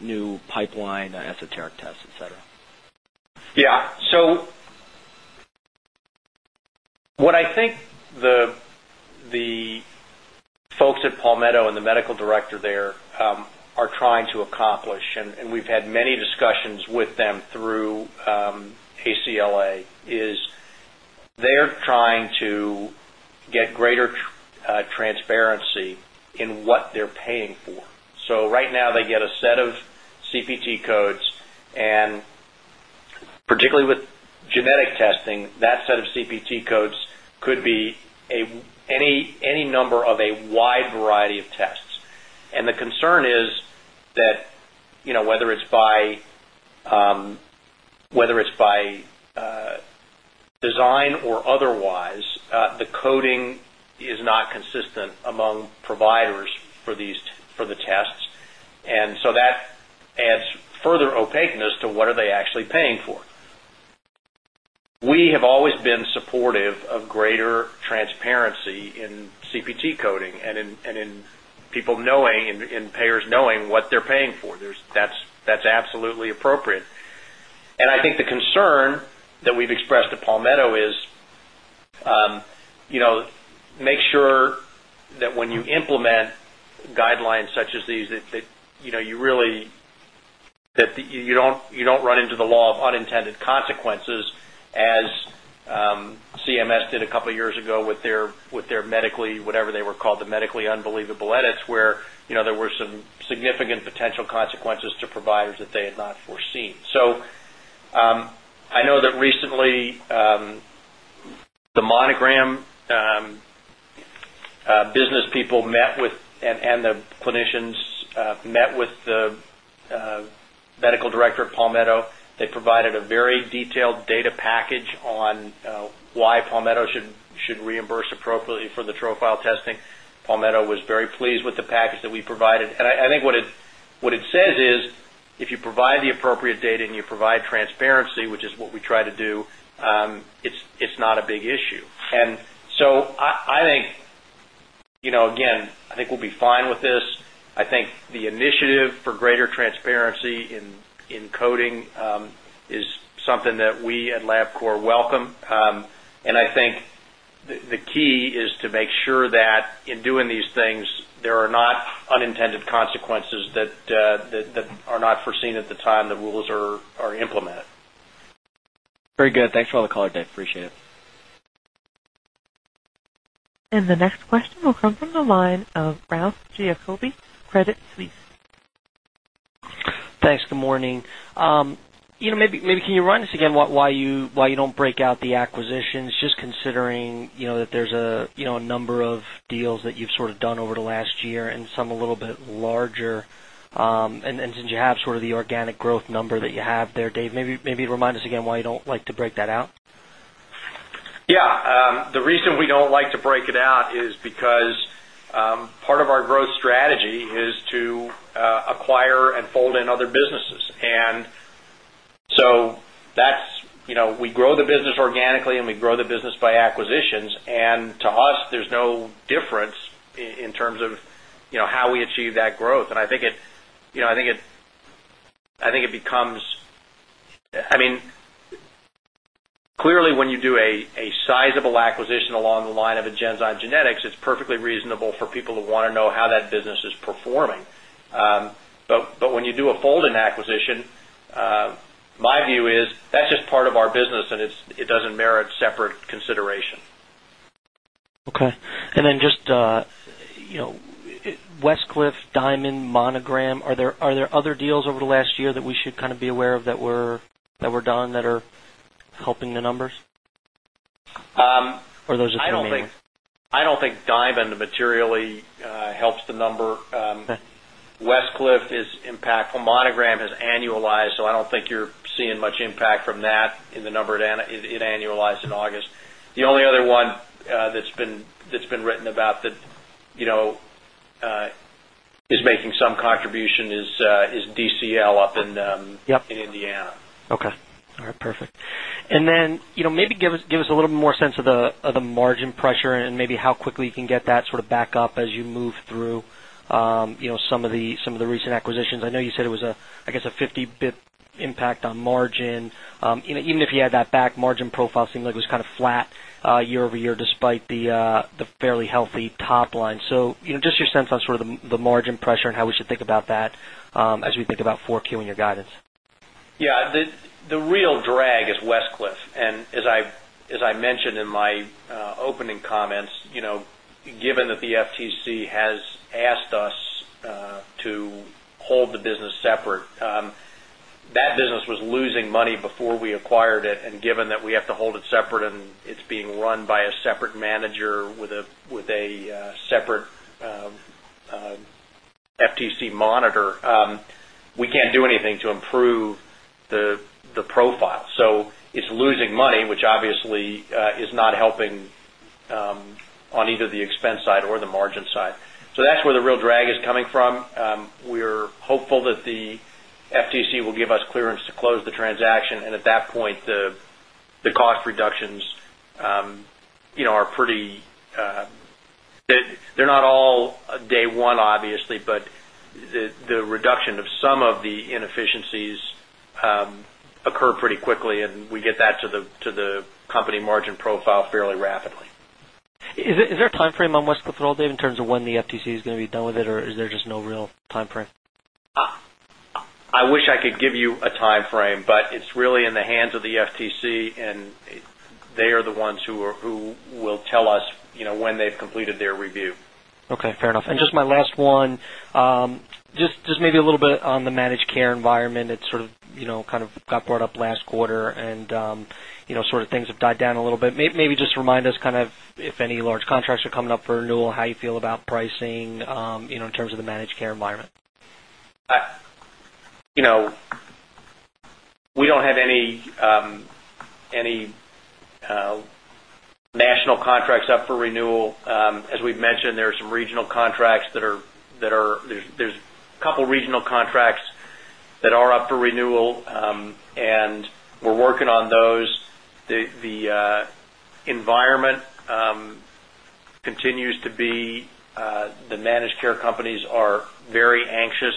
new pipeline, esoteric tests, etc.? Yeah. What I think the folks at Palmetto and the medical director there are trying to accomplish—and we have had many discussions with them through ACLA—is they are trying to get greater transparency in what they are paying for. Right now, they get a set of CPT codes, and particularly with genetic testing, that set of CPT codes could be any number of a wide variety of tests. The concern is that whether it is by design or otherwise, the coding is not consistent among providers for the tests. That adds further opaqueness to what they are actually paying for. We have always been supportive of greater transparency in CPT coding and in people knowing, in payers knowing what they are paying for. That is absolutely appropriate. I think the concern that we've expressed to Palmetto is make sure that when you implement guidelines such as these, that you really do not run into the law of unintended consequences, as CMS did a couple of years ago with their medically—whatever they were called—the medically unbelievable edits where there were some significant potential consequences to providers that they had not foreseen. I know that recently the Monogram business people met with and the clinicians met with the medical director at Palmetto. They provided a very detailed data package on why Palmetto should reimburse appropriately for the Profile testing. Palmetto was very pleased with the package that we provided. I think what it says is if you provide the appropriate data and you provide transparency, which is what we try to do, it's not a big issue. I think, again, I think we'll be fine with this. I think the initiative for greater transparency in coding is something that we at Labcorp welcome. I think the key is to make sure that in doing these things, there are not unintended consequences that are not foreseen at the time the rules are implemented. Very good. Thanks for all the color, Dave. Appreciate it. The next question will come from the line of Ralph Giacobbe, Credit Suisse. Thanks. Good morning. Maybe can you remind us again why you do not break out the acquisitions? Just considering that there is a number of deals that you have sort of done over the last year and some a little bit larger. Since you have sort of the organic growth number that you have there, Dave, maybe remind us again why you do not like to break that out. Yeah. The reason we don't like to break it out is because part of our growth strategy is to acquire and fold in other businesses. We grow the business organically, and we grow the business by acquisitions. To us, there's no difference in terms of how we achieve that growth. I think it becomes—I mean, clearly, when you do a sizable acquisition along the line of a Genzyme Genetics, it's perfectly reasonable for people to want to know how that business is performing. When you do a fold-in acquisition, my view is that's just part of our business, and it doesn't merit separate consideration. Okay. And then just Westcliff, Diamond, Monogram, are there other deals over the last year that we should kind of be aware of that were done that are helping the numbers? Or those are too many? I don't think Diamond materially helps the number. Westcliff is impactful. Monogram has annualized, so I don't think you're seeing much impact from that in the number. It annualized in August. The only other one that's been written about that is making some contribution is DCL up in Indiana. Okay. All right. Perfect. Maybe give us a little bit more sense of the margin pressure and maybe how quickly you can get that sort of back up as you move through some of the recent acquisitions. I know you said it was, I guess, a 50 basis point impact on margin. Even if you had that back, margin profile seemed like it was kind of flat year-over-year despite the fairly healthy top line. Just your sense on sort of the margin pressure and how we should think about that as we think about 4Q and your guidance. Yeah. The real drag is Westcliff. As I mentioned in my opening comments, given that the FTC has asked us to hold the business separate, that business was losing money before we acquired it. Given that we have to hold it separate and it is being run by a separate manager with a separate FTC monitor, we cannot do anything to improve the profile. It is losing money, which obviously is not helping on either the expense side or the margin side. That is where the real drag is coming from. We are hopeful that the FTC will give us clearance to close the transaction. At that point, the cost reductions are pretty—they are not all day one, obviously, but the reduction of some of the inefficiencies occurs pretty quickly, and we get that to the company margin profile fairly rapidly. Is there a timeframe on Westcliff at all, Dave, in terms of when the FTC is going to be done with it, or is there just no real timeframe? I wish I could give you a timeframe, but it's really in the hands of the FTC, and they are the ones who will tell us when they've completed their review. Okay. Fair enough. Just my last one, just maybe a little bit on the managed care environment. It sort of kind of got brought up last quarter, and sort of things have died down a little bit. Maybe just remind us kind of if any large contracts are coming up for renewal, how you feel about pricing in terms of the managed care environment. We don't have any national contracts up for renewal. As we've mentioned, there are some regional contracts that are—there's a couple of regional contracts that are up for renewal, and we're working on those. The environment continues to be—the managed care companies are very anxious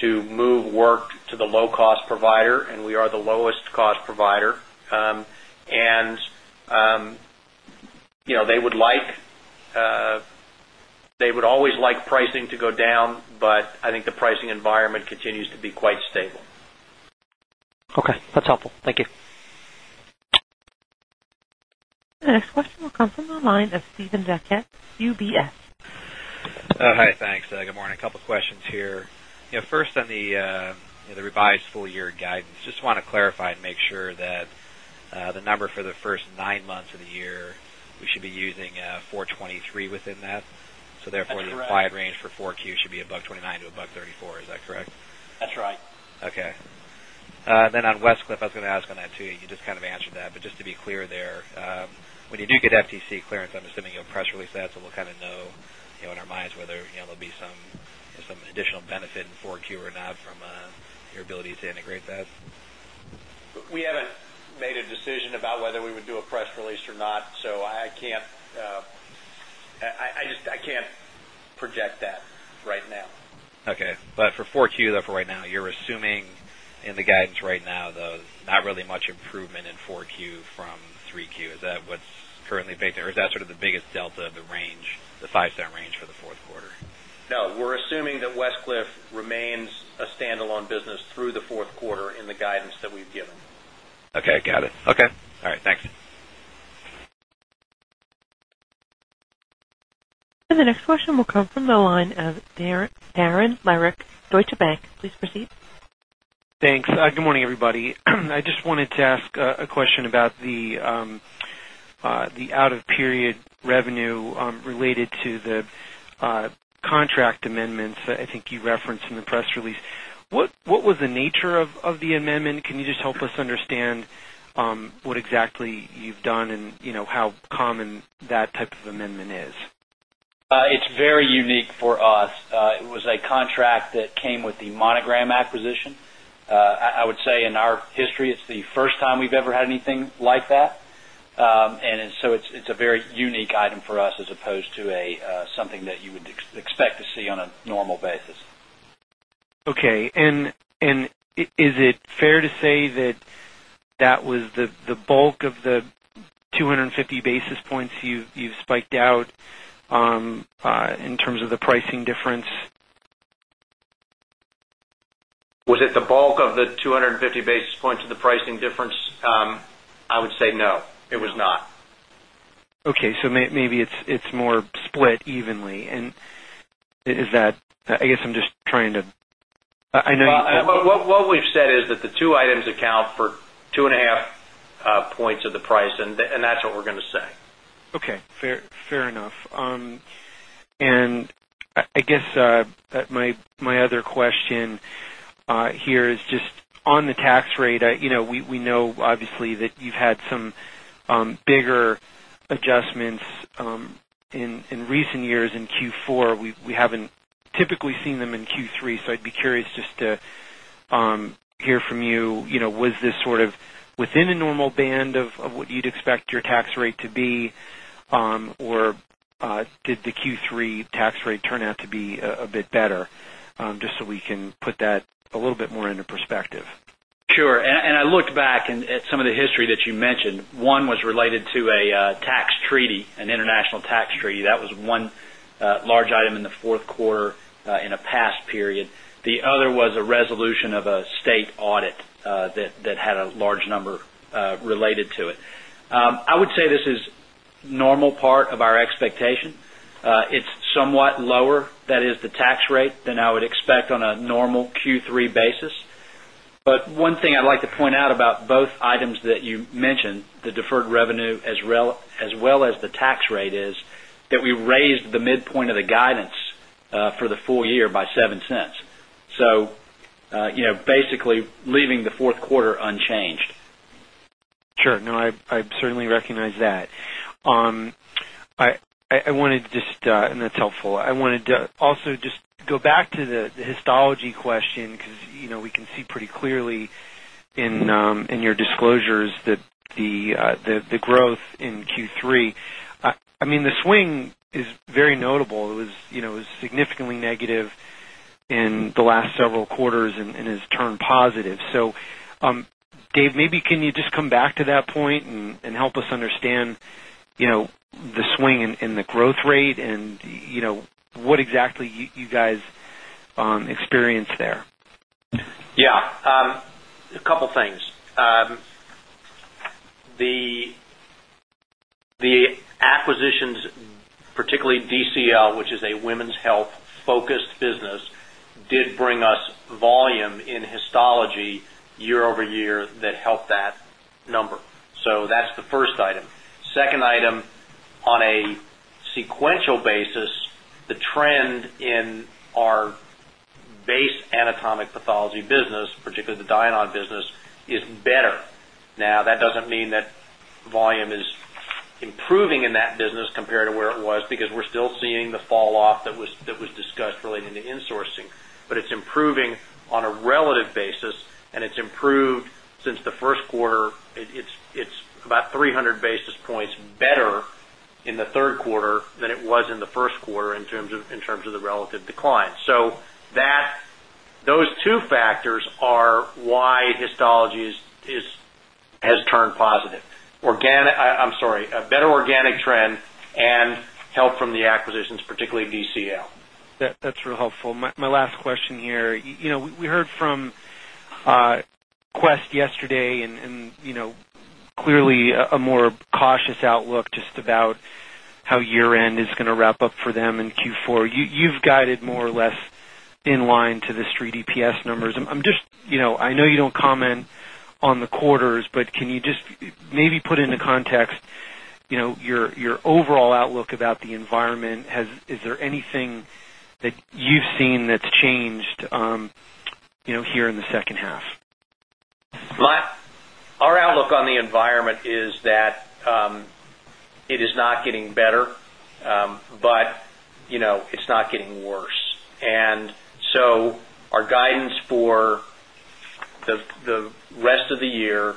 to move work to the low-cost provider, and we are the lowest-cost provider. They would like—they would always like pricing to go down, but I think the pricing environment continues to be quite stable. Okay. That's helpful. Thank you. The next question will come from the line of Steven Valiquette, UBS. Hi. Thanks. Good morning. A couple of questions here. First, on the revised full-year guidance, just want to clarify and make sure that the number for the first nine months of the year, we should be using 423 within that. So therefore, the required range for Q4 should be above 29 to above 34. Is that correct? That's right. Okay. Then on Westcliff, I was going to ask on that too. You just kind of answered that. But just to be clear there, when you do get FTC clearance, I'm assuming you'll press release that, so we'll kind of know in our minds whether there'll be some additional benefit in 4Q or not from your ability to integrate that. We haven't made a decision about whether we would do a press release or not, so I can't—I can't project that right now. Okay. For 4Q, though, for right now, you're assuming in the guidance right now, though, not really much improvement in 4Q from 3Q. Is that what's currently baked in? Is that sort of the biggest delta of the range, the $0.05 range for the fourth quarter? No. We're assuming that Westcliff remains a standalone business through the fourth quarter in the guidance that we've given. Okay. Got it. Okay. All right. Thanks. The next question will come from the line of Darren Lehrich, Deutsche Bank. Please proceed. Thanks. Good morning, everybody. I just wanted to ask a question about the out-of-period revenue related to the contract amendments that I think you referenced in the press release. What was the nature of the amendment? Can you just help us understand what exactly you've done and how common that type of amendment is? It's very unique for us. It was a contract that came with the Monogram acquisition. I would say in our history, it's the first time we've ever had anything like that. It is a very unique item for us as opposed to something that you would expect to see on a normal basis. Okay. Is it fair to say that that was the bulk of the 250 basis points you have spiked out in terms of the pricing difference? Was it the bulk of the 250 basis points of the pricing difference? I would say no. It was not. Okay. So maybe it's more split evenly. Is that—I guess I'm just trying to—I know you. What we've said is that the two items account for 2.5 points of the price, and that's what we're going to say. Okay. Fair enough. I guess my other question here is just on the tax rate, we know obviously that you've had some bigger adjustments in recent years in Q4. We haven't typically seen them in Q3, so I'd be curious just to hear from you. Was this sort of within a normal band of what you'd expect your tax rate to be, or did the Q3 tax rate turn out to be a bit better? Just so we can put that a little bit more into perspective. Sure. I looked back at some of the history that you mentioned. One was related to a tax treaty, an international tax treaty. That was one large item in the fourth quarter in a past period. The other was a resolution of a state audit that had a large number related to it. I would say this is a normal part of our expectation. It's somewhat lower, that is, the tax rate, than I would expect on a normal Q3 basis. One thing I'd like to point out about both items that you mentioned, the deferred revenue as well as the tax rate, is that we raised the midpoint of the guidance for the full year by $0.07. Basically leaving the fourth quarter unchanged. Sure. No, I certainly recognize that. I wanted to just—and that's helpful. I wanted to also just go back to the histology question because we can see pretty clearly in your disclosures that the growth in Q3—I mean, the swing is very notable. It was significantly negative in the last several quarters and has turned positive. Dave, maybe can you just come back to that point and help us understand the swing in the growth rate and what exactly you guys experienced there? Yeah. A couple of things. The acquisitions, particularly DCL, which is a women's health-focused business, did bring us volume in histology year-over-year that helped that number. That is the first item. Second item, on a sequential basis, the trend in our base anatomic pathology business, particularly the Diamond business, is better. Now, that does not mean that volume is improving in that business compared to where it was because we are still seeing the falloff that was discussed relating to insourcing. It is improving on a relative basis, and it has improved since the first quarter. It is about 300 basis points better in the third quarter than it was in the first quarter in terms of the relative decline. Those two factors are why histology has turned positive. I am sorry, a better organic trend and help from the acquisitions, particularly DCL. That's real helpful. My last question here. We heard from Quest yesterday and clearly a more cautious outlook just about how year-end is going to wrap up for them in Q4. You've guided more or less in line to the 3DPS numbers. I know you don't comment on the quarters, but can you just maybe put into context your overall outlook about the environment? Is there anything that you've seen that's changed here in the second half? Our outlook on the environment is that it is not getting better, but it is not getting worse. Our guidance for the rest of the year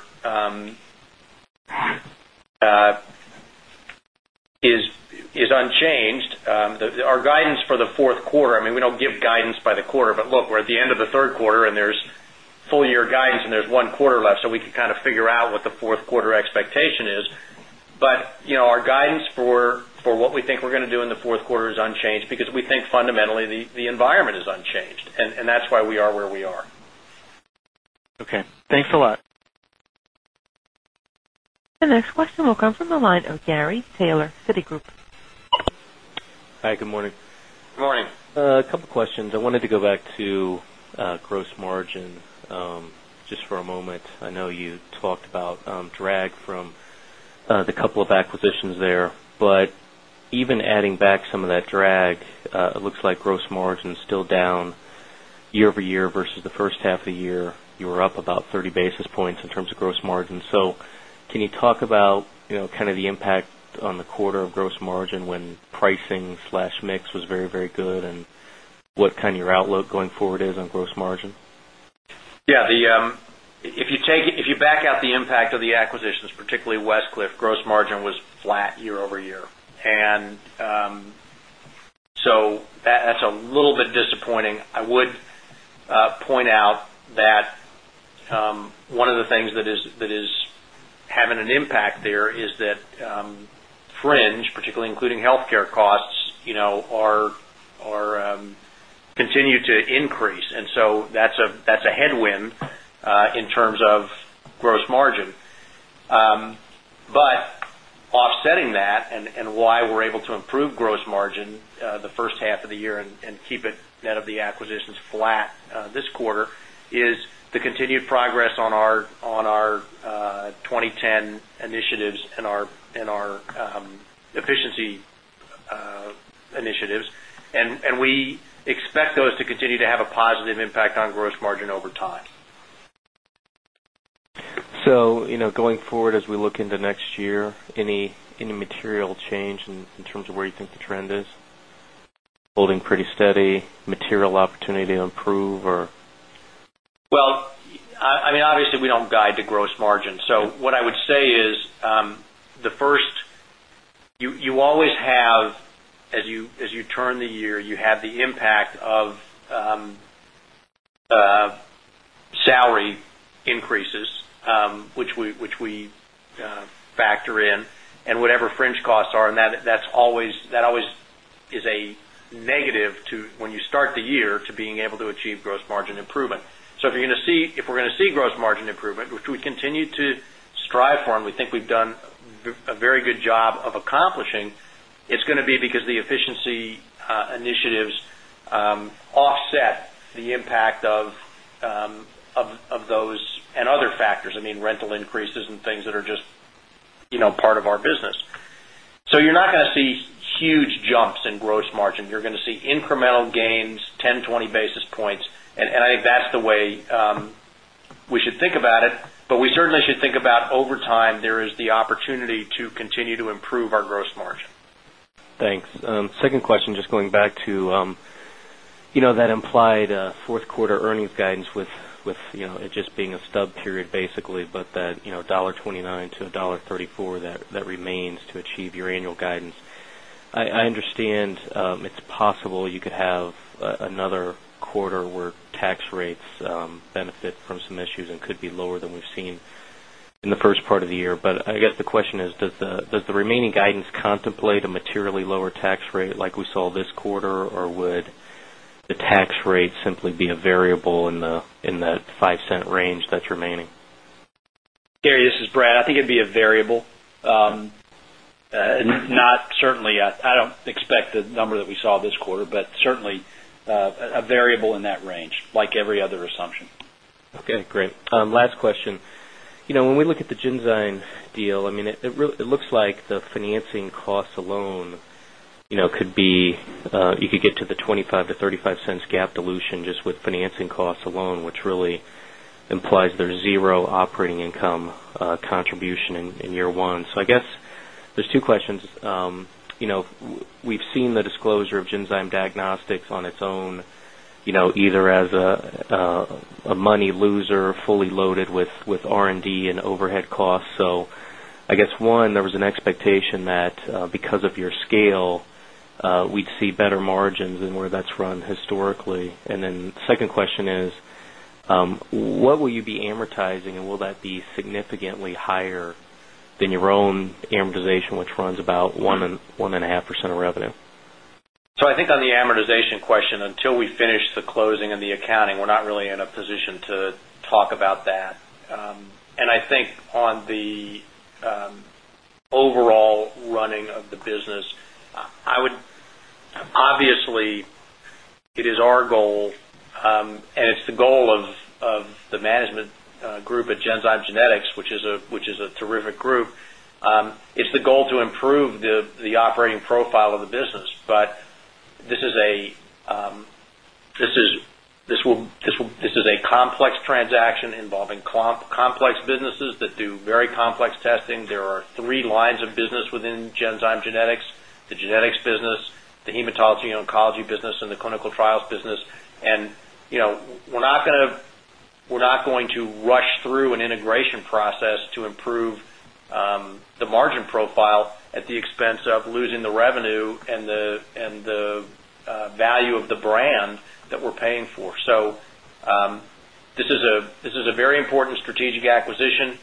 is unchanged. Our guidance for the fourth quarter—I mean, we do not give guidance by the quarter, but look, we are at the end of the third quarter, and there is full-year guidance, and there is one quarter left, so we can kind of figure out what the fourth quarter expectation is. Our guidance for what we think we are going to do in the fourth quarter is unchanged because we think fundamentally the environment is unchanged, and that is why we are where we are. Okay. Thanks a lot. The next question will come from the line of Gary Taylor, Citigroup. Hi. Good morning. Good morning. A couple of questions. I wanted to go back to gross margin just for a moment. I know you talked about drag from the couple of acquisitions there, but even adding back some of that drag, it looks like gross margin is still down year-over-year versus the first half of the year. You were up about 30 basis points in terms of gross margin. Can you talk about kind of the impact on the quarter of gross margin when pricing/mix was very, very good and what kind of your outlook going forward is on gross margin? Yeah. If you back out the impact of the acquisitions, particularly Westcliff, gross margin was flat year-over-year. That is a little bit disappointing. I would point out that one of the things that is having an impact there is that fringe, particularly including healthcare costs, continue to increase. That is a headwind in terms of gross margin. Offsetting that and why we are able to improve gross margin the first half of the year and keep it out of the acquisitions flat this quarter is the continued progress on our 2010 initiatives and our efficiency initiatives. We expect those to continue to have a positive impact on gross margin over time. Going forward, as we look into next year, any material change in terms of where you think the trend is? Holding pretty steady, material opportunity to improve, or? I mean, obviously, we do not guide to gross margin. What I would say is, first, you always have, as you turn the year, the impact of salary increases, which we factor in, and whatever fringe costs are. That always is a negative to, when you start the year, being able to achieve gross margin improvement. If we are going to see gross margin improvement, which we continue to strive for and we think we have done a very good job of accomplishing, it is going to be because the efficiency initiatives offset the impact of those and other factors. I mean, rental increases and things that are just part of our business. You are not going to see huge jumps in gross margin. You are going to see incremental gains, 10-20 basis points. I think that's the way we should think about it. We certainly should think about over time, there is the opportunity to continue to improve our gross margin. Thanks. Second question, just going back to that implied fourth quarter earnings guidance with it just being a stub period, basically, but that $1.29-$1.34 that remains to achieve your annual guidance. I understand it's possible you could have another quarter where tax rates benefit from some issues and could be lower than we've seen in the first part of the year. I guess the question is, does the remaining guidance contemplate a materially lower tax rate like we saw this quarter, or would the tax rate simply be a variable in that $0.05 range that's remaining? Gary, this is Brad. I think it'd be a variable. Certainly, I don't expect the number that we saw this quarter, but certainly a variable in that range, like every other assumption. Okay. Great. Last question. When we look at the Genzyme deal, I mean, it looks like the financing costs alone could be—you could get to the $0.25-$0.35 GAAP dilution just with financing costs alone, which really implies there's zero operating income contribution in year one. I guess there's two questions. We've seen the disclosure of Genzyme Genetics on its own, either as a money loser, fully loaded with R&D and overhead costs. I guess, one, there was an expectation that because of your scale, we'd see better margins than where that's run historically. The second question is, what will you be amortizing, and will that be significantly higher than your own amortization, which runs about 1.5% of revenue? I think on the amortization question, until we finish the closing and the accounting, we're not really in a position to talk about that. I think on the overall running of the business, obviously, it is our goal, and it's the goal of the management group at Genzyme Genetics, which is a terrific group. It's the goal to improve the operating profile of the business. This is a complex transaction involving complex businesses that do very complex testing. There are three lines of business within Genzyme Genetics: the genetics business, the hematology-oncology business, and the clinical trials business. We're not going to rush through an integration process to improve the margin profile at the expense of losing the revenue and the value of the brand that we're paying for. This is a very important strategic acquisition.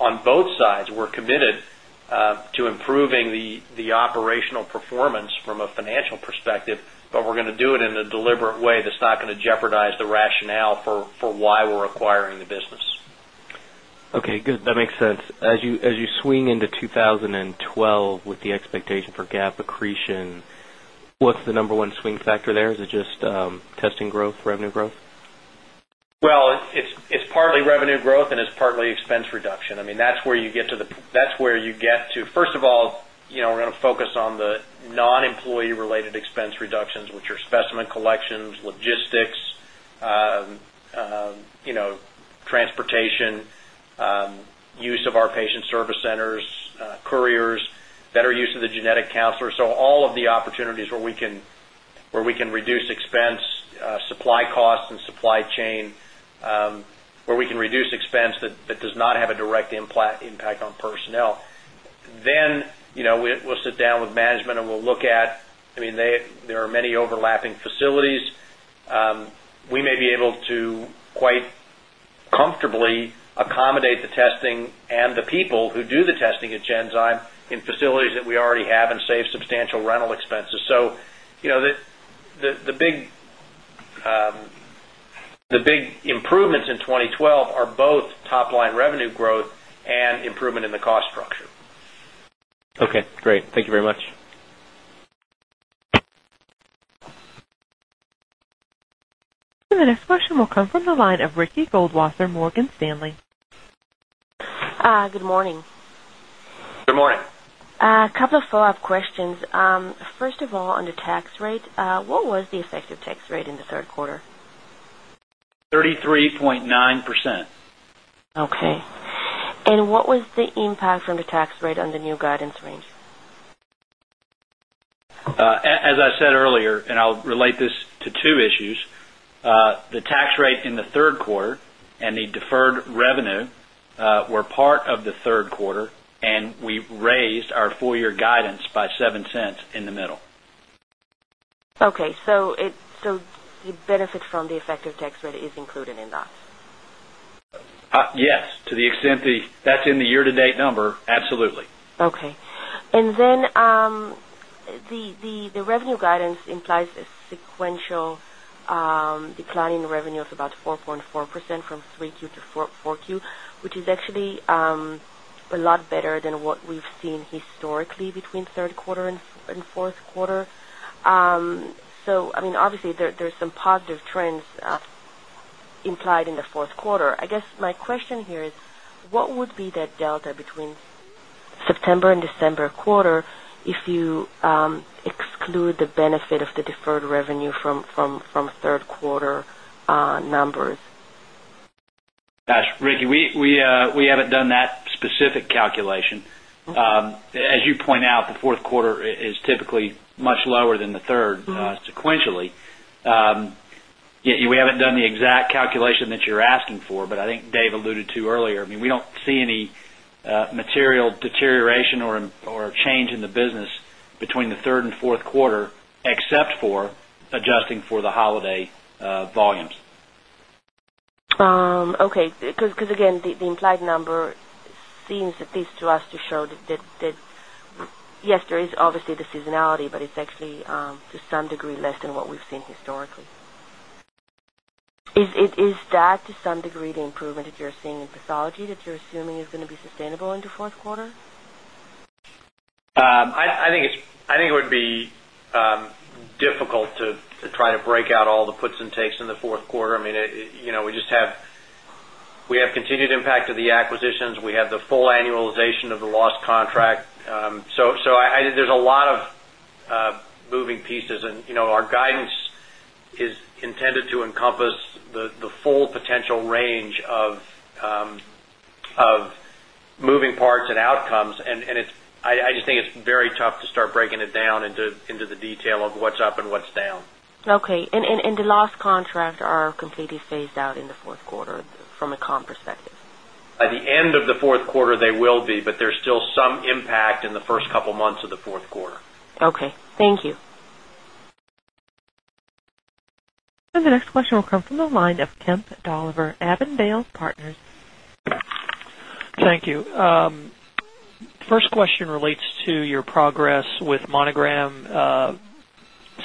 On both sides, we're committed to improving the operational performance from a financial perspective, but we're going to do it in a deliberate way that's not going to jeopardize the rationale for why we're acquiring the business. Okay. Good. That makes sense. As you swing into 2012 with the expectation for GAAP accretion, what's the number one swing factor there? Is it just testing growth, revenue growth? It's partly revenue growth, and it's partly expense reduction. I mean, that's where you get to the—that's where you get to. First of all, we're going to focus on the non-employee-related expense reductions, which are specimen collections, logistics, transportation, use of our patient service centers, couriers, better use of the genetic counselor. All of the opportunities where we can reduce expense, supply costs and supply chain, where we can reduce expense that does not have a direct impact on personnel. Then we'll sit down with management, and we'll look at—I mean, there are many overlapping facilities. We may be able to quite comfortably accommodate the testing and the people who do the testing at Genzyme in facilities that we already have and save substantial rental expenses. The big improvements in 2012 are both top-line revenue growth and improvement in the cost structure. Okay. Great. Thank you very much. The next question will come from the line of Ricky Goldwasser, Morgan Stanley. Good morning. Good morning. A couple of follow-up questions. First of all, on the tax rate, what was the effective tax rate in the third quarter? 33.9%. Okay. What was the impact on the tax rate on the new guidance range? As I said earlier, and I'll relate this to two issues, the tax rate in the third quarter and the deferred revenue were part of the third quarter, and we raised our full-year guidance by $0.07 in the middle. Okay. So the benefit from the effective tax rate is included in that? Yes. To the extent that's in the year-to-date number, absolutely. Okay. And then the revenue guidance implies a sequential declining revenue of about 4.4% from 3Q to 4Q, which is actually a lot better than what we've seen historically between third quarter and fourth quarter. I mean, obviously, there's some positive trends implied in the fourth quarter. I guess my question here is, what would be that delta between September and December quarter if you exclude the benefit of the deferred revenue from third quarter numbers? Gosh, Ricky, we haven't done that specific calculation. As you point out, the fourth quarter is typically much lower than the third sequentially. We haven't done the exact calculation that you're asking for, but I think Dave alluded to earlier. I mean, we don't see any material deterioration or change in the business between the third and fourth quarter except for adjusting for the holiday volumes. Okay. Because again, the implied number seems at least to us to show that, yes, there is obviously the seasonality, but it's actually to some degree less than what we've seen historically. Is that to some degree the improvement that you're seeing in pathology that you're assuming is going to be sustainable into fourth quarter? I think it would be difficult to try to break out all the puts and takes in the fourth quarter. I mean, we just have continued impact of the acquisitions. We have the full annualization of the lost contract. There is a lot of moving pieces, and our guidance is intended to encompass the full potential range of moving parts and outcomes. I just think it is very tough to start breaking it down into the detail of what is up and what is down. Okay. Are the lost contracts completely phased out in the fourth quarter from a comp perspective? By the end of the fourth quarter, they will be, but there's still some impact in the first couple of months of the fourth quarter. Okay. Thank you. The next question will come from the line of Kemp Dolliver, Avondale Partners. Thank you. First question relates to your progress with Monogram.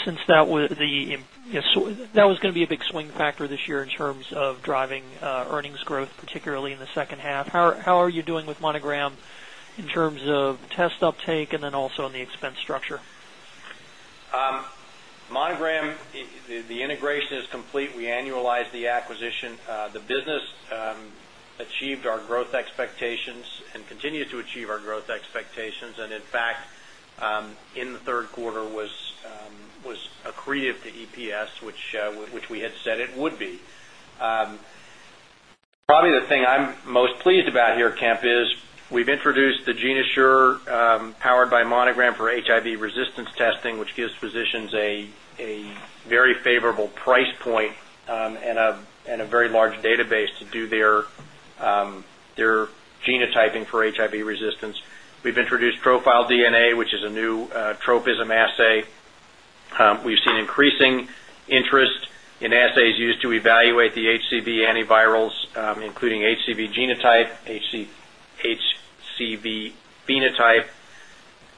Since that was going to be a big swing factor this year in terms of driving earnings growth, particularly in the second half, how are you doing with Monogram in terms of test uptake and then also on the expense structure? Monogram, the integration is complete. We annualized the acquisition. The business achieved our growth expectations and continues to achieve our growth expectations. In fact, in the third quarter, was accretive to EPS, which we had said it would be. Probably the thing I'm most pleased about here, Kemp, is we've introduced the GeneAssure powered by Monogram for HIV resistance testing, which gives physicians a very favorable price point and a very large database to do their genotyping for HIV resistance. We've introduced Trofile DNA, which is a new tropism assay. We've seen increasing interest in assays used to evaluate the HCV antivirals, including HCV genotype, HCV phenotype,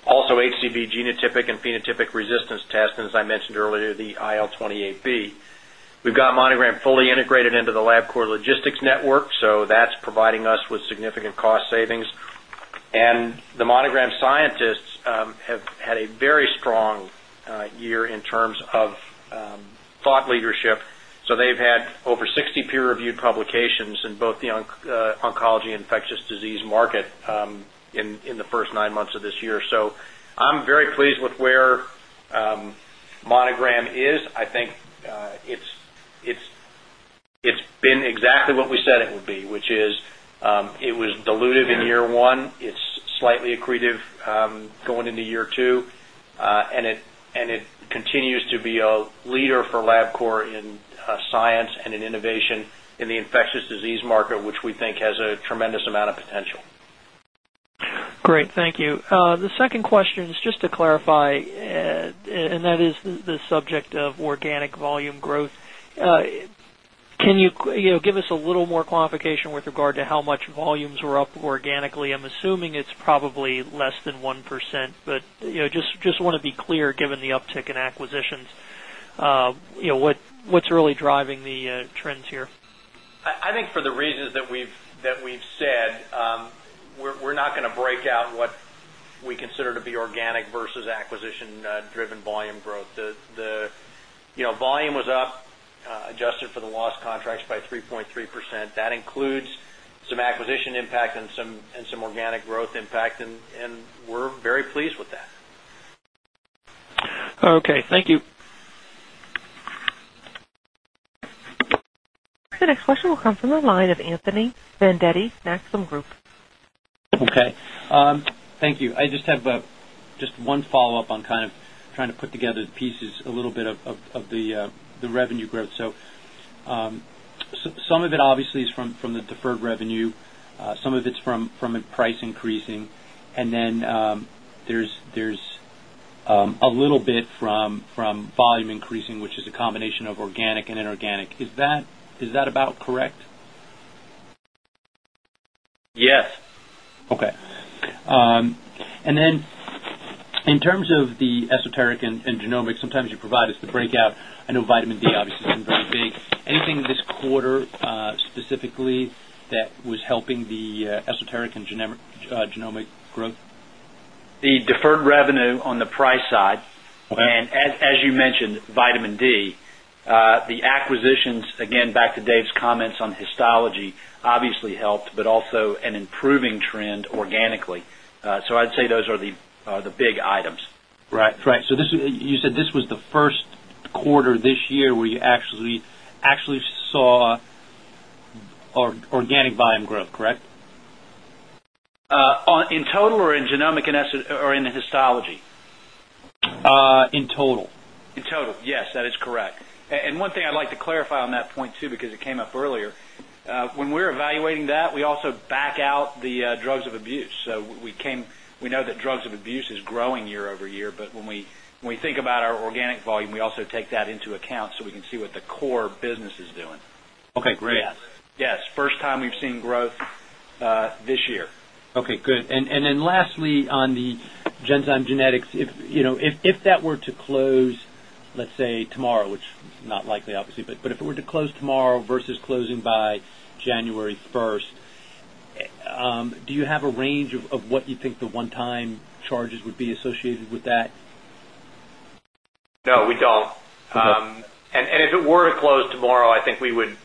also HCV genotypic and phenotypic resistance tests, and as I mentioned earlier, the IL-28B. We've got Monogram fully integrated into the Labcorp logistics network, so that's providing us with significant cost savings. The Monogram scientists have had a very strong year in terms of thought leadership. They have had over 60 peer-reviewed publications in both the oncology and infectious disease market in the first nine months of this year. I am very pleased with where Monogram is. I think it has been exactly what we said it would be, which is it was diluted in year one. It is slightly accretive going into year two, and it continues to be a leader for Labcorp in science and in innovation in the infectious disease market, which we think has a tremendous amount of potential. Great. Thank you. The second question is just to clarify, and that is the subject of organic volume growth. Can you give us a little more clarification with regard to how much volumes were up organically? I'm assuming it's probably less than 1%, but just want to be clear, given the uptick in acquisitions, what's really driving the trends here? I think for the reasons that we've said, we're not going to break out what we consider to be organic versus acquisition-driven volume growth. The volume was up, adjusted for the lost contracts by 3.3%. That includes some acquisition impact and some organic growth impact, and we're very pleased with that. Okay. Thank you. The next question will come from the line of Anthony Vendetti, Maxim Group. Okay. Thank you. I just have just one follow-up on kind of trying to put together the pieces, a little bit of the revenue growth. Some of it obviously is from the deferred revenue. Some of it is from price increasing. And then there is a little bit from volume increasing, which is a combination of organic and inorganic. Is that about correct? Yes. Okay. In terms of the esoteric and genomic, sometimes you provide us the breakout. I know vitamin D obviously has been very big. Anything this quarter specifically that was helping the esoteric and genomic growth? The deferred revenue on the price side. As you mentioned, vitamin D. The acquisitions, again, back to Dave's comments on histology, obviously helped, but also an improving trend organically. I'd say those are the big items. Right. Right. So you said this was the first quarter this year where you actually saw organic volume growth, correct? In total or in genomic or in histology? In total. In total. Yes, that is correct. One thing I'd like to clarify on that point too because it came up earlier. When we're evaluating that, we also back out the drugs of abuse. We know that drugs of abuse is growing year-over-year, but when we think about our organic volume, we also take that into account so we can see what the core business is doing. Okay. Great. Yes. First time we've seen growth this year. Okay. Good. Lastly, on the Genzyme Genetics, if that were to close, let's say tomorrow, which is not likely, obviously, but if it were to close tomorrow versus closing by January 1st, do you have a range of what you think the one-time charges would be associated with that? No, we don't. If it were to close tomorrow, I think we would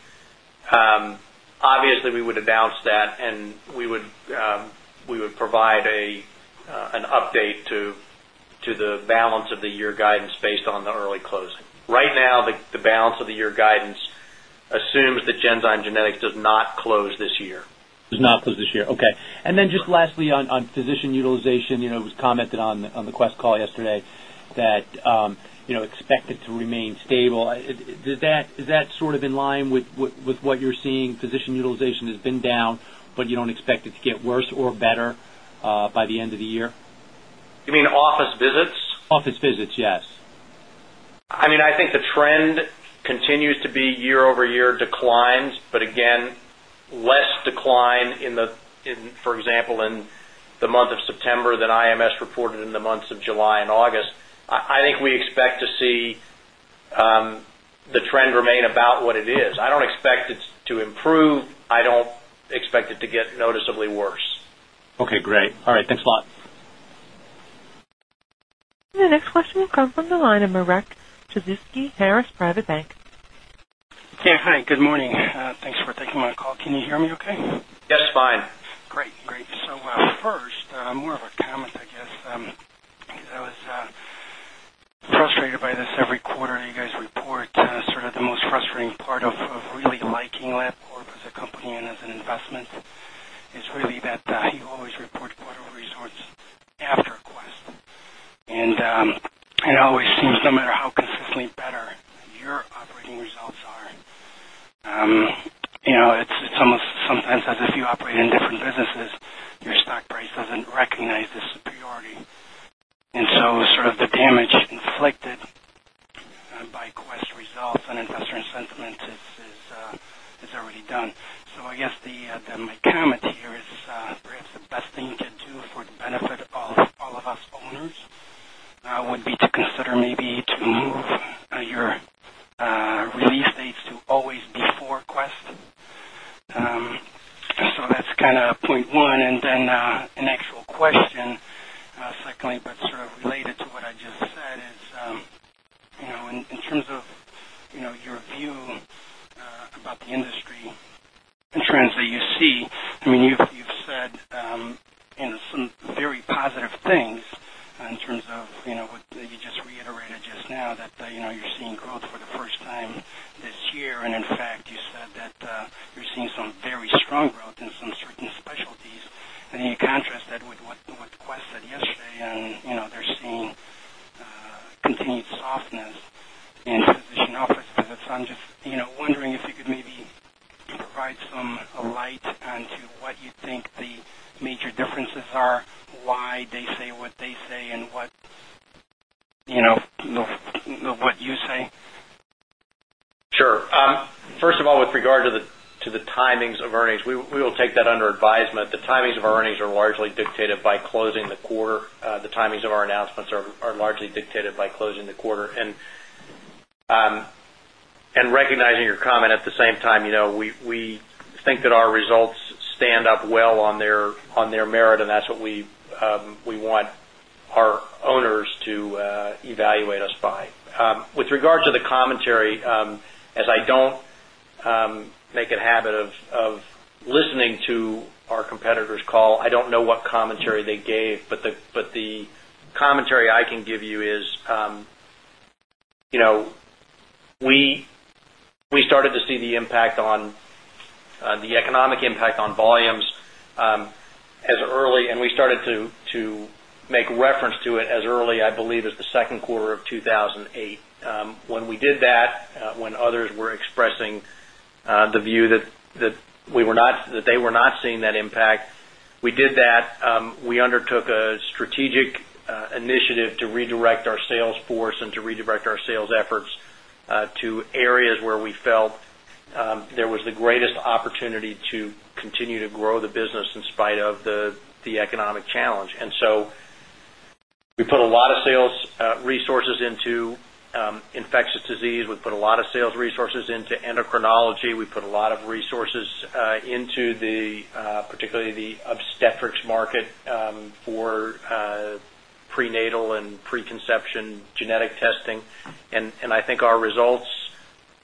obviously, we would announce that, and we would provide an update to the balance of the year guidance based on the early closing. Right now, the balance of the year guidance assumes that Genzyme Genetics does not close this year. Does not close this year. Okay. Then just lastly, on physician utilization, it was commented on the Quest call yesterday that expected to remain stable. Is that sort of in line with what you're seeing? Physician utilization has been down, but you do not expect it to get worse or better by the end of the year? You mean office visits? Office visits, yes. I mean, I think the trend continues to be year-over-year declines, but again, less decline, for example, in the month of September than IMS reported in the months of July and August. I think we expect to see the trend remain about what it is. I don't expect it to improve. I don't expect it to get noticeably worse. Okay. Great. All right. Thanks a lot. The next question will come from the line of Mirek Czuszki, Harris Private Bank. Yeah. Hi. Good morning. Thanks for taking my call. Can you hear me okay? Yes, fine. Great. Great. First, more of a comment, I guess, because I was frustrated by this every quarter that you guys report. Sort of the most frustrating part of really liking Labcorp as a company and as an investment is really that you always report quarterly results after Quest. It always seems, no matter how consistently better your operating results are, it's almost sometimes as if you operate in different businesses, your stock price doesn't recognize this superiority. Sort of the damage inflicted by Quest results on investor sentiment is already done. I guess my comment here is perhaps the best thing you could do for the benefit of all of us owners would be to consider maybe to move your release dates to always before Quest. That's kind of point one. Then an actual question, secondly, but sort of related our competitors' call, I don't know what commentary they gave, but the commentary I can give you is we started to see the impact on the economic impact on volumes as early, and we started to make reference to it as early, I believe, as the second quarter of 2008. When we did that, when others were expressing the view that they were not seeing that impact, we did that. We undertook a strategic initiative to redirect our sales force and to redirect our sales efforts to areas where we felt there was the greatest opportunity to continue to grow the business in spite of the economic challenge. We put a lot of sales resources into infectious disease. We put a lot of sales resources into endocrinology. We put a lot of resources into particularly the obstetrics market for prenatal and preconception genetic testing. I think our results,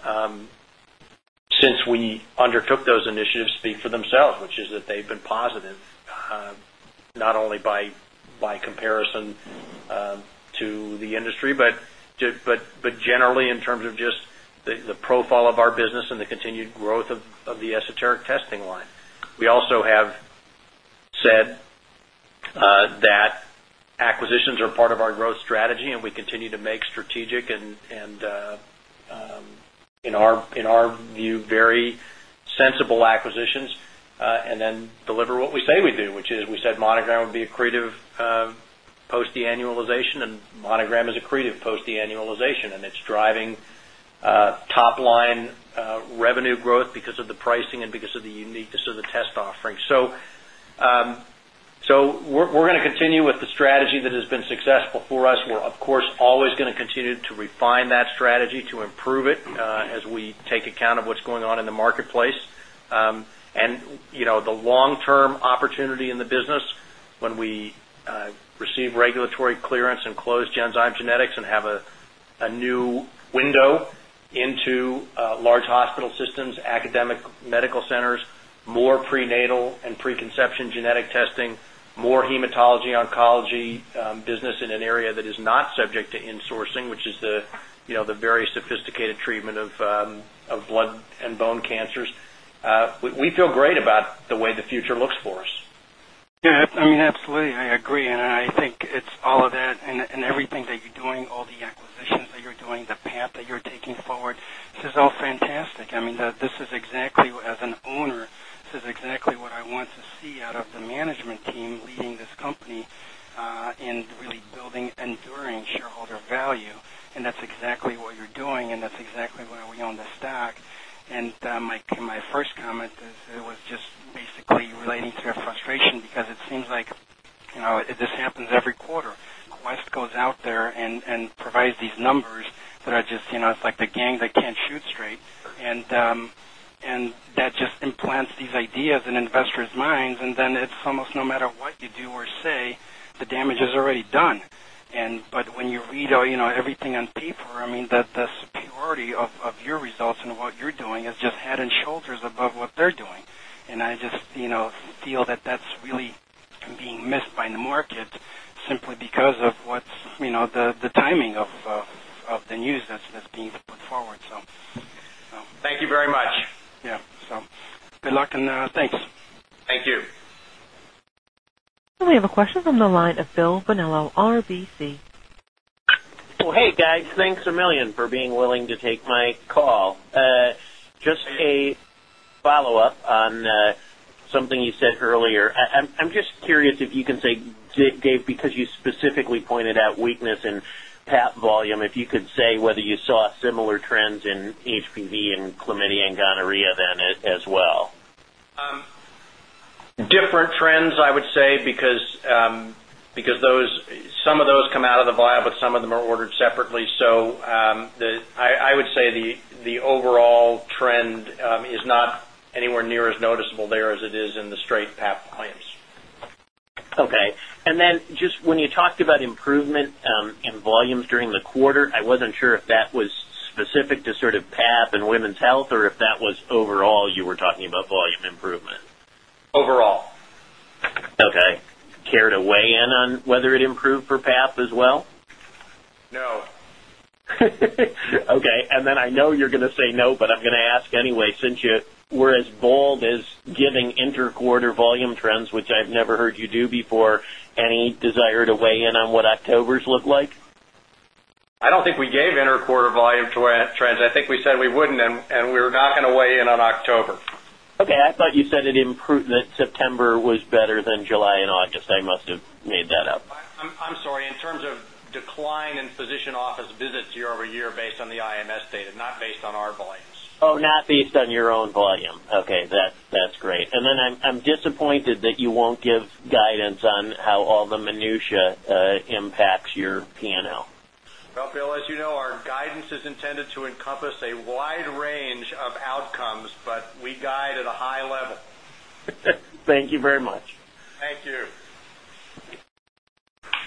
since we undertook those initiatives, speak for themselves, which is that they've been positive, not only by comparison to the industry, but generally in terms of just the profile of our business and the continued growth of the esoteric testing line. We also have said that acquisitions are part of our growth strategy, and we continue to make strategic and, in our view, very sensible acquisitions. We deliver what we say we do, which is we said Monogram would be accretive post-deannualization, and Monogram is accretive post-deannualization. It is driving top-line revenue growth because of the pricing and because of the uniqueness of the test offering. We are going to continue with the strategy that has been successful for us. We are, of course, always going to continue to refine that strategy to improve it as we take account of what is going on in the marketplace. The long-term opportunity in the business when we receive regulatory clearance and close Genzyme Genetics and have a new window into large hospital systems, academic medical centers, more prenatal and preconception genetic testing, more hematology-oncology business in an area that is not subject to insourcing, which is the very sophisticated treatment of blood and bone cancers. We feel great about the way the future looks for us. Yeah. I mean, absolutely. I agree. I think it's all of that and everything that you're doing, all the acquisitions that you're doing, the path that you're taking forward, this is all fantastic. I mean, this is exactly, as an owner, this is exactly what I want to see out of the management team leading this company in really building enduring shareholder value. That's exactly what you're doing, and that's exactly why we own the stock. My first comment was just basically relating to your frustration because it seems like this happens every quarter. Quest goes out there and provides these numbers that are just, it's like the gang that can't shoot straight. That just implants these ideas in investors' minds. Then it's almost no matter what you do or say, the damage is already done. When you read everything on paper, I mean, the superiority of your results and what you're doing is just head and shoulders above what they're doing. I just feel that that's really being missed by the market simply because of the timing of the news that's being put forward. Thank you very much. Yeah. Good luck and thanks. Thank you. We have a question from the line of Bill Bonello, RBC Capital Markets. Hey, guys. Thanks a million for being willing to take my call. Just a follow-up on something you said earlier. I'm just curious if you can say, Dave, because you specifically pointed out weakness in PAP volume, if you could say whether you saw similar trends in HPV and chlamydia and gonorrhea then as well. Different trends, I would say, because some of those come out of the vial, but some of them are ordered separately. I would say the overall trend is not anywhere near as noticeable there as it is in the straight PAP volumes. Okay. And then just when you talked about improvement in volumes during the quarter, I was not sure if that was specific to sort of PAP and women's health or if that was overall you were talking about volume improvement. Overall. Okay. Care to weigh in on whether it improved for PAP as well? No. Okay. I know you're going to say no, but I'm going to ask anyway, since you were as bold as giving interquarter volume trends, which I've never heard you do before, any desire to weigh in on what October's look like? I don't think we gave interquarter volume trends. I think we said we wouldn't, and we were not going to weigh in on October. Okay. I thought you said that September was better than July and August. I must have made that up. I'm sorry. In terms of decline in physician office visits year-over-year based on the IMS data, not based on our volumes. Oh, not based on your own volume. Okay. That's great. I'm disappointed that you won't give guidance on how all the minutiae impacts your P&L. As you know, our guidance is intended to encompass a wide range of outcomes, but we guide at a high level. Thank you very much. Thank you.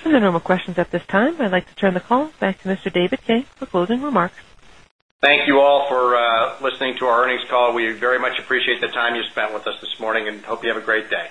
There are no more questions at this time. I'd like to turn the call back to Mr. David King for closing remarks. Thank you all for listening to our earnings call. We very much appreciate the time you spent with us this morning and hope you have a great day.